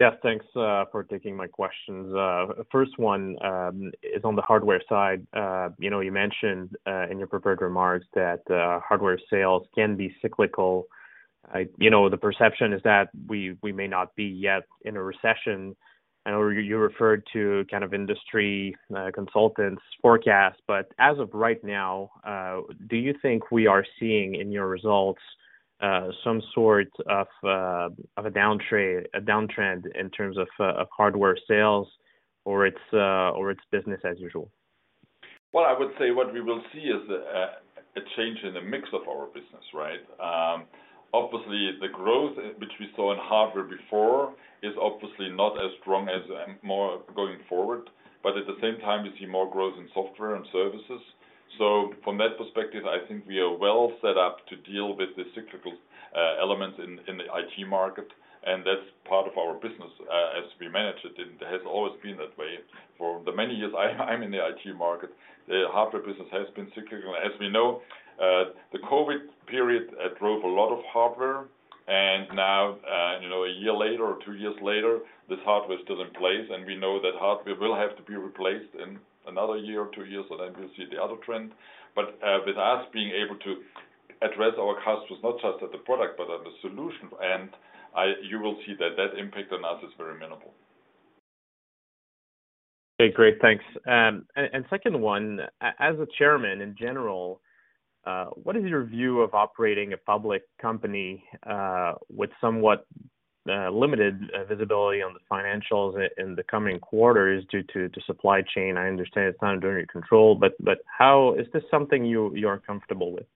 S11: Yes, thanks for taking my questions. First one is on the hardware side. You know, you mentioned in your prepared remarks that hardware sales can be cyclical. You know, the perception is that we may not be yet in a recession. I know you referred to kind of industry consultants' forecasts, but as of right now, do you think we are seeing in your results some sort of a downtrend in terms of hardware sales or it's business as usual?
S3: I would say what we will see is a change in the mix of our business, right? Obviously the growth which we saw in hardware before is obviously not as strong as more going forward. At the same time, we see more growth in software and services. From that perspective, I think we are well set up to deal with the cyclical elements in the IT market, and that's part of our business as we manage it. It has always been that way for the many years I'm in the IT market. The hardware business has been cyclical. As we know, the COVID period, it drove a lot of hardware. Now, you know, a year later or two years later, this hardware is still in place. We know that hardware will have to be replaced in another year or two years, and then we'll see the other trend. With us being able to address our customers not just at the product, but on the solution end, You will see that that impact on us is very minimal.
S11: Okay, great. Thanks. Second one, as a chairman in general, what is your view of operating a public company with somewhat limited visibility on the financials in the coming quarters due to supply chain? I understand it's not under your control, but how... Is this something you're comfortable with?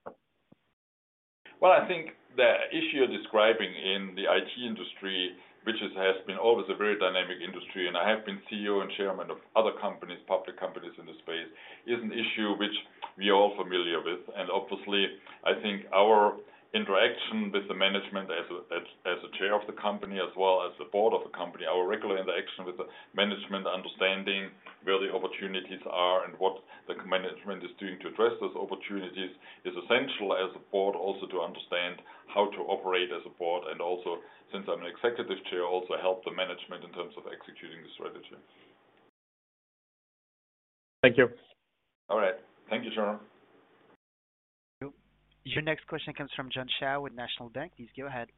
S3: Well, I think the issue you're describing in the IT industry, which has been always a very dynamic industry, and I have been CEO and chairman of other companies, public companies in this space, is an issue which we are all familiar with. Obviously, I think our interaction with the management as a chair of the company as well as the board of the company, our regular interaction with the management, understanding where the opportunities are and what the management is doing to address those opportunities is essential as a board also to understand how to operate as a board. Also, since I'm an executive chair, also help the management in terms of executing the strategy.
S11: Thank you.
S3: All right. Thank you, Jerome.
S1: Your next question comes from John Shao with National Bank. Please go ahead.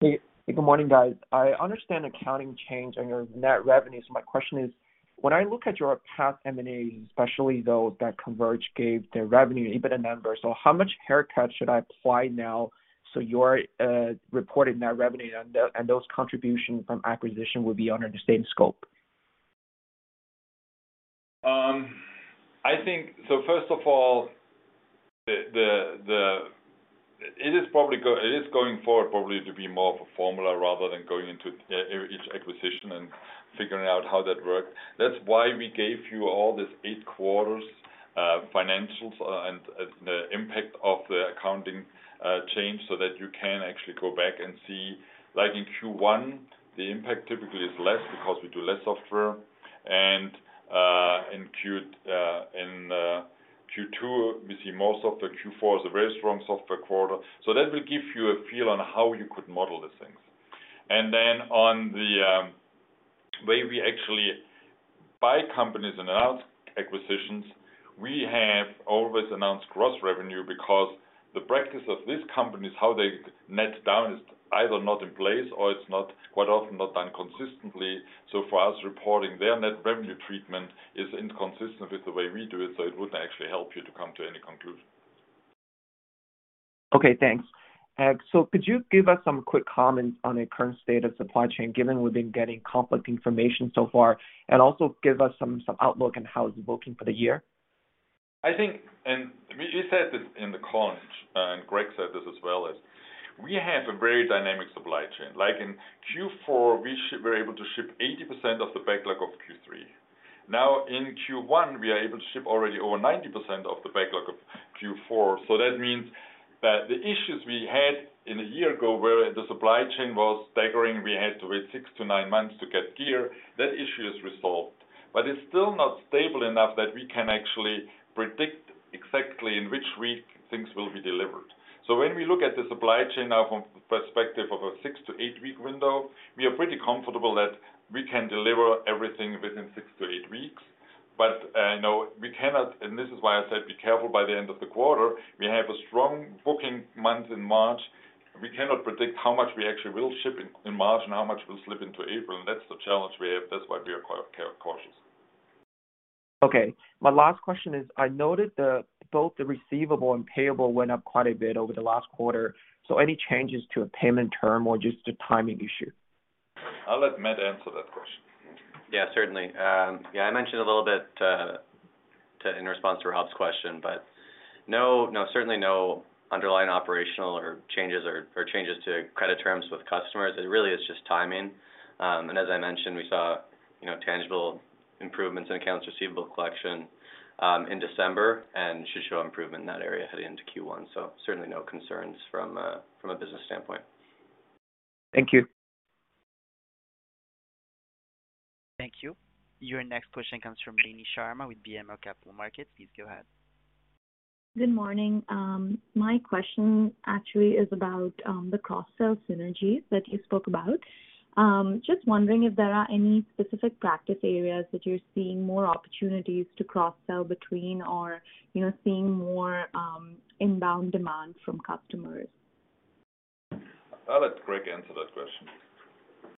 S12: Hey. Good morning, guys. I understand accounting change on your net revenues. My question is, when I look at your past M&As, especially those that Converge gave their revenue and EBITDA numbers. How much haircut should I apply now so your reported net revenue and those contribution from acquisition will be under the same scope?
S3: First of all, it is going forward probably to be more of a formula rather than going into each acquisition and figuring out how that works. That's why we gave you all this eight quarters financials and the impact of the accounting change so that you can actually go back and see, like in Q1, the impact typically is less because we do less software. In Q2, we see most of the Q4 is a very strong software quarter. That will give you a feel on how you could model these things. Then on the way we actually buy companies and announce acquisitions, we have always announced gross revenue because the practice of these companies, how they net down, is either not in place or it's not, quite often not done consistently. For us, reporting their Net Revenue treatment is inconsistent with the way we do it, so it wouldn't actually help you to come to any conclusion.
S12: Okay, thanks. Could you give us some quick comments on the current state of supply chain, given we've been getting conflicting information so far, and also give us some outlook on how it's booking for the year?
S3: I think, we said this in the call, and Greg said this as well as, we have a very dynamic supply chain. In Q4, we were able to ship 80% of the backlog of Q3. In Q1, we are able to ship already over 90% of the backlog of Q4. That means that the issues we had in a year ago where the supply chain was staggering, we had to wait six to nine months to get gear. That issue is resolved. It's still not stable enough that we can actually predict exactly in which week things will be delivered. When we look at the supply chain now from perspective of a six to eight-week window, we are pretty comfortable that we can deliver everything within six to eight weeks. No, we cannot, and this is why I said be careful by the end of the quarter. We have a strong booking month in March.
S13: We cannot predict how much we actually will ship in March and how much will slip into April. That's the challenge we have. That's why we are cautious.
S12: Okay. My last question is, I noted both the receivable and payable went up quite a bit over the last quarter. Any changes to a payment term or just a timing issue?
S3: I'll let Matt answer that question.
S4: Yeah, certainly. Yeah, I mentioned a little bit in response to Rob's question. No, certainly no underlying operational or changes to credit terms with customers. It really is just timing. As I mentioned, we saw, you know, tangible improvements in accounts receivable collection in December, and should show improvement in that area heading into Q1. Certainly no concerns from a business standpoint.
S12: Thank you.
S1: Thank you. Your next question comes from Rini Sharma with BMO Capital Markets. Please go ahead.
S14: Good morning. My question actually is about the cross-sell synergies that you spoke about. Just wondering if there are any specific practice areas that you're seeing more opportunities to cross-sell between or, you know, seeing more inbound demand from customers.
S3: I'll let Greg answer that question.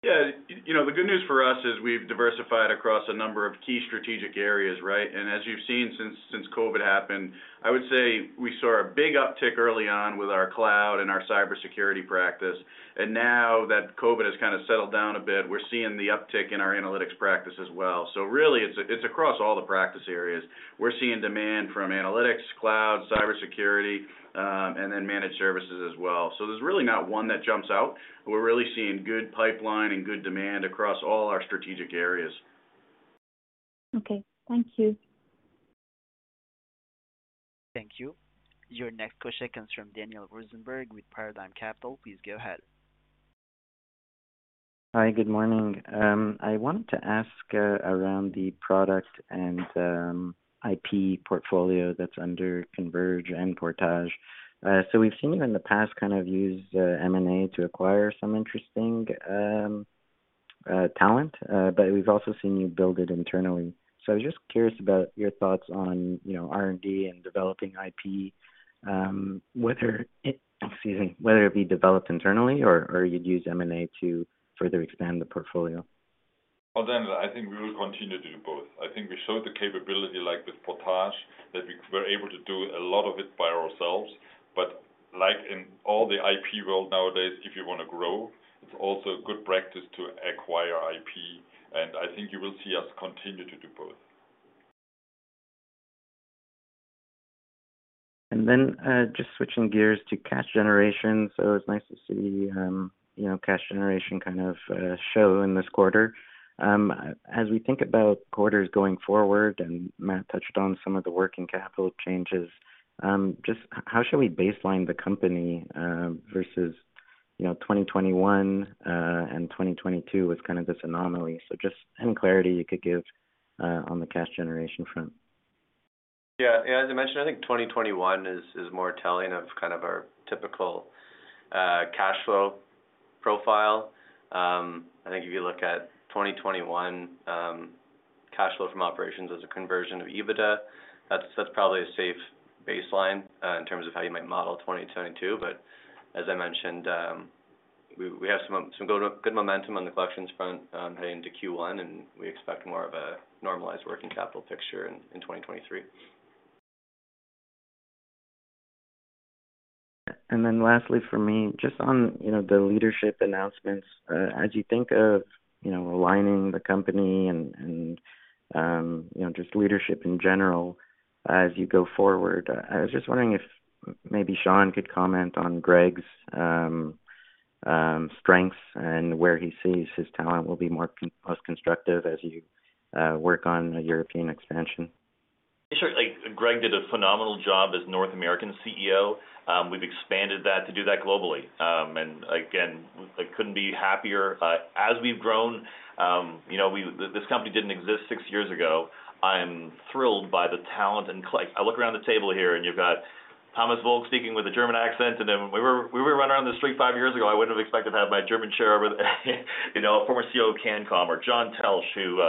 S5: Yeah. you know, the good news for us is we've diversified across a number of key strategic areas, right? As you've seen since COVID happened, I would say we saw a big uptick early on with our cloud and our cybersecurity practice. Now that COVID has kind of settled down a bit, we're seeing the uptick in our analytics practice as well. Really it's across all the practice areas. We're seeing demand from analytics, cloud, cybersecurity, and then managed services as well. There's really not one that jumps out. We're really seeing good pipeline and good demand across all our strategic areas.
S14: Okay, thank you.
S1: Thank you. Your next question comes from Daniel Rosenberg with Paradigm Capital. Please go ahead.
S15: Hi, good morning. I wanted to ask around the product and IP portfolio that's under Converge and Portage. We've seen you in the past kind of use M&A to acquire some interesting talent, but we've also seen you build it internally. I was just curious about your thoughts on, you know, R&D and developing IP, Excuse me, whether it be developed internally or you'd use M&A to further expand the portfolio.
S3: Well, Daniel, I think we will continue to do both. I think we showed the capability like with Portage, that we're able to do a lot of it by ourselves. Like in all the IP world nowadays, if you wanna grow, it's also a good practice to acquire IP, I think you will see us continue to do both.
S15: Then, just switching gears to cash generation. It's nice to see, you know, cash generation kind of show in this quarter. As we think about quarters going forward, and Matt touched on some of the working capital changes, just how should we baseline the company versus, you know, 2021 and 2022 with kind of this anomaly? Just any clarity you could give on the cash generation front.
S4: As I mentioned, I think 2021 is more telling of kind of our typical cash flow profile. I think if you look at 2021, cash flow from operations as a conversion of EBITDA, that's probably a safe baseline in terms of how you might model 2022. As I mentioned, we have some good momentum on the collections front, heading into Q1, and we expect more of a normalized working capital picture in 2023.
S15: Lastly for me, just on, you know, the leadership announcements. As you think of, you know, aligning the company and, you know, just leadership in general as you go forward, I was just wondering if maybe Shaun could comment on Greg's strengths and where he sees his talent will be most constructive as you work on a European expansion.
S2: Sure. Greg did a phenomenal job as North American CEO. We've expanded that to do that globally. Again, I couldn't be happier. As we've grown, you know, this company didn't exist six years ago. I am thrilled by the talent and I look around the table here and you've got Thomas Volk speaking with a German accent. Then if we were running around the street five years ago, I wouldn't have expected to have my German chair over there, you know, a former CEO of Cancom or John Teltsch who,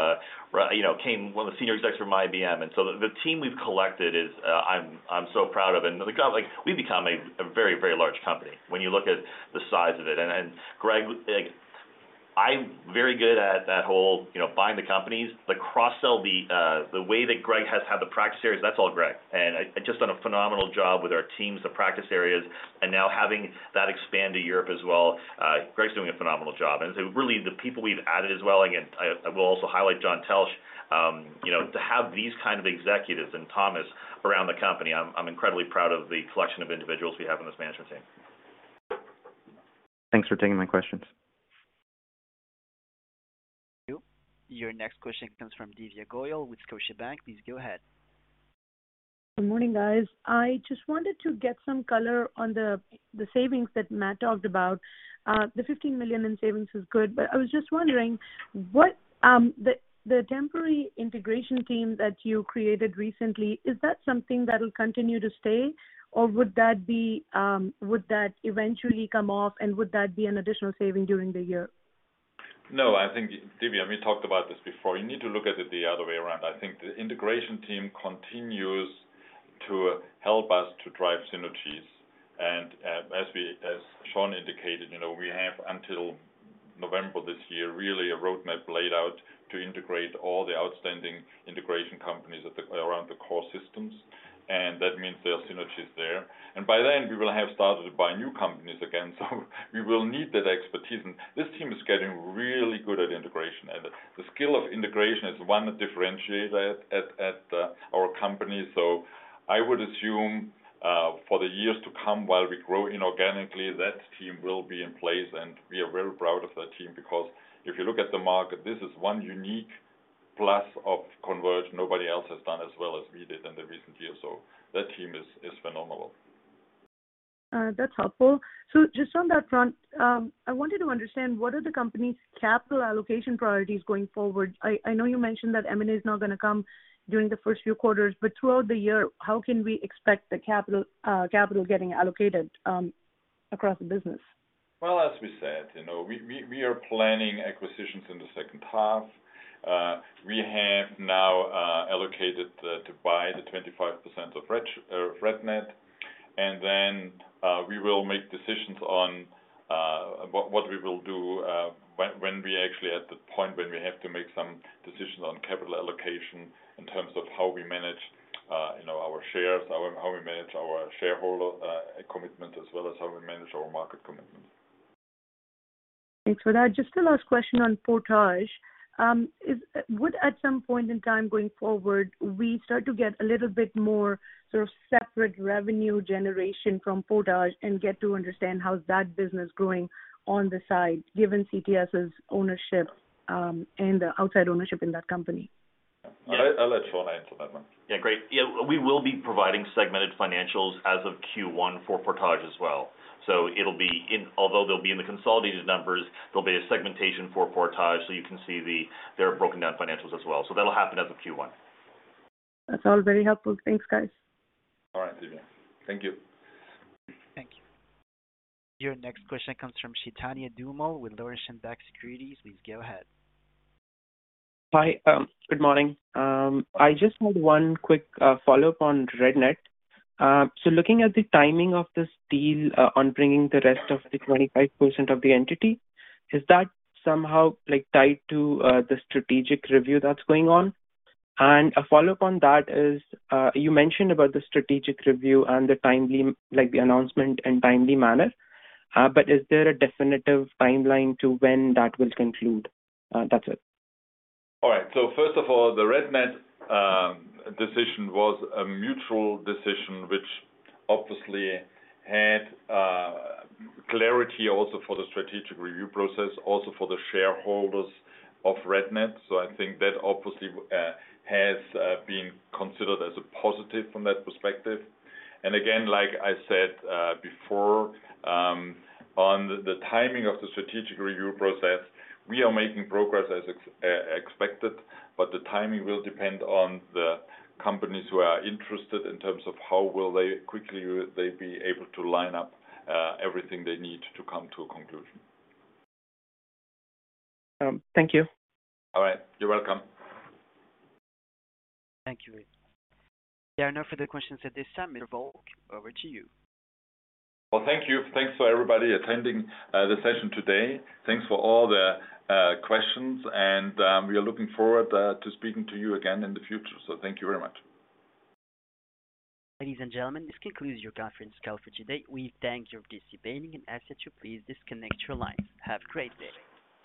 S2: you know, came one of the senior execs from IBM. So the team we've collected is, I'm so proud of. We've become a very, very large company when you look at the size of it. Greg, like, I'm very good at that whole, you know, buying the companies. The cross-sell, the way that Greg has had the practice areas, that's all Greg. Just done a phenomenal job with our teams, the practice areas, and now having that expand to Europe as well, Greg's doing a phenomenal job. Really the people we've added as well, again, I will also highlight John Teltsch. You know, to have these kind of executives and Thomas around the company, I'm incredibly proud of the collection of individuals we have on this management team.
S15: Thanks for taking my questions.
S1: Thank you. Your next question comes from Divya Goyal with Scotiabank. Please go ahead.
S13: Good morning, guys. I just wanted to get some color on the savings that Matt talked about. The 15 million in savings is good. I was just wondering what the temporary integration team that you created recently, is that something that'll continue to stay or would that eventually come off and would that be an additional saving during the year?
S3: No, I think, Divya, we talked about this before. You need to look at it the other way around. I think the integration team continues to help us to drive synergies. As John Teltsch indicated, you know, we have until November this year, really a roadmap laid out to integrate all the outstanding integration companies around the core systems. That means there are synergies there. By then we will have started to buy new companies again. We will need that expertise. This team is getting really good at integration. The skill of integration is one differentiator at our company. I would assume for the years to come, while we grow inorganically, that team will be in place. We are very proud of that team because if you look at the market, this is one unique plus of Converge nobody else has done as well as we did in the recent years. That team is phenomenal.
S13: That's helpful. Just on that front, I wanted to understand what are the company's capital allocation priorities going forward? I know you mentioned that M&A is now gonna come during the first few quarters, but throughout the year, how can we expect the capital getting allocated across the business?
S3: Well, as we said, you know, we are planning acquisitions in the second half. We have now allocated to buy the 25% of RedNet. We will make decisions on what we will do when we actually at the point when we have to make some decisions on capital allocation in terms of how we manage, you know, our shares, how we manage our shareholder commitment as well as how we manage our market commitment.
S13: Thanks for that. Just a last question on Portage. Would, at some point in time going forward, we start to get a little bit more sort of separate revenue generation from Portage and get to understand how that business growing on the side, given CTS's ownership, and the outside ownership in that company?
S3: I'll let Shaun answer that one.
S2: Yeah. Great. Yeah. We will be providing segmented financials as of Q1 for Portage as well. Although they'll be in the consolidated numbers, there'll be a segmentation for Portage, so you can see their broken-down financials as well. That'll happen as of Q1.
S13: That's all very helpful. Thanks, guys.
S3: All right, Divya. Thank you.
S1: Thank you. Your next question comes from Sheetania Dumo with Laurentian Bank Securities. Please go ahead.
S16: Hi. Good morning. I just had one quick follow-up on RedNet. Looking at the timing of this deal, on bringing the rest of the 25% of the entity, is that somehow tied to the strategic review that's going on? A follow-up on that is, you mentioned about the strategic review and the announcement in timely manner. Is there a definitive timeline to when that will conclude? That's it.
S3: First of all, the RedNet decision was a mutual decision, which obviously had clarity also for the strategic review process, also for the shareholders of RedNet. I think that obviously has been considered as a positive from that perspective. Again, like I said before, on the timing of the strategic review process, we are making progress as expected, but the timing will depend on the companies who are interested in terms of how quickly will they be able to line up everything they need to come to a conclusion.
S16: Thank you.
S3: All right. You're welcome.
S1: Thank you. There are no further questions at this time. Mr. Volk, over to you.
S3: Thank you. Thanks for everybody attending the session today. Thanks for all the questions, and we are looking forward to speaking to you again in the future. Thank you very much.
S1: Ladies and gentlemen, this concludes your conference call for today. We thank you for participating and ask that you please disconnect your line. Have a great day.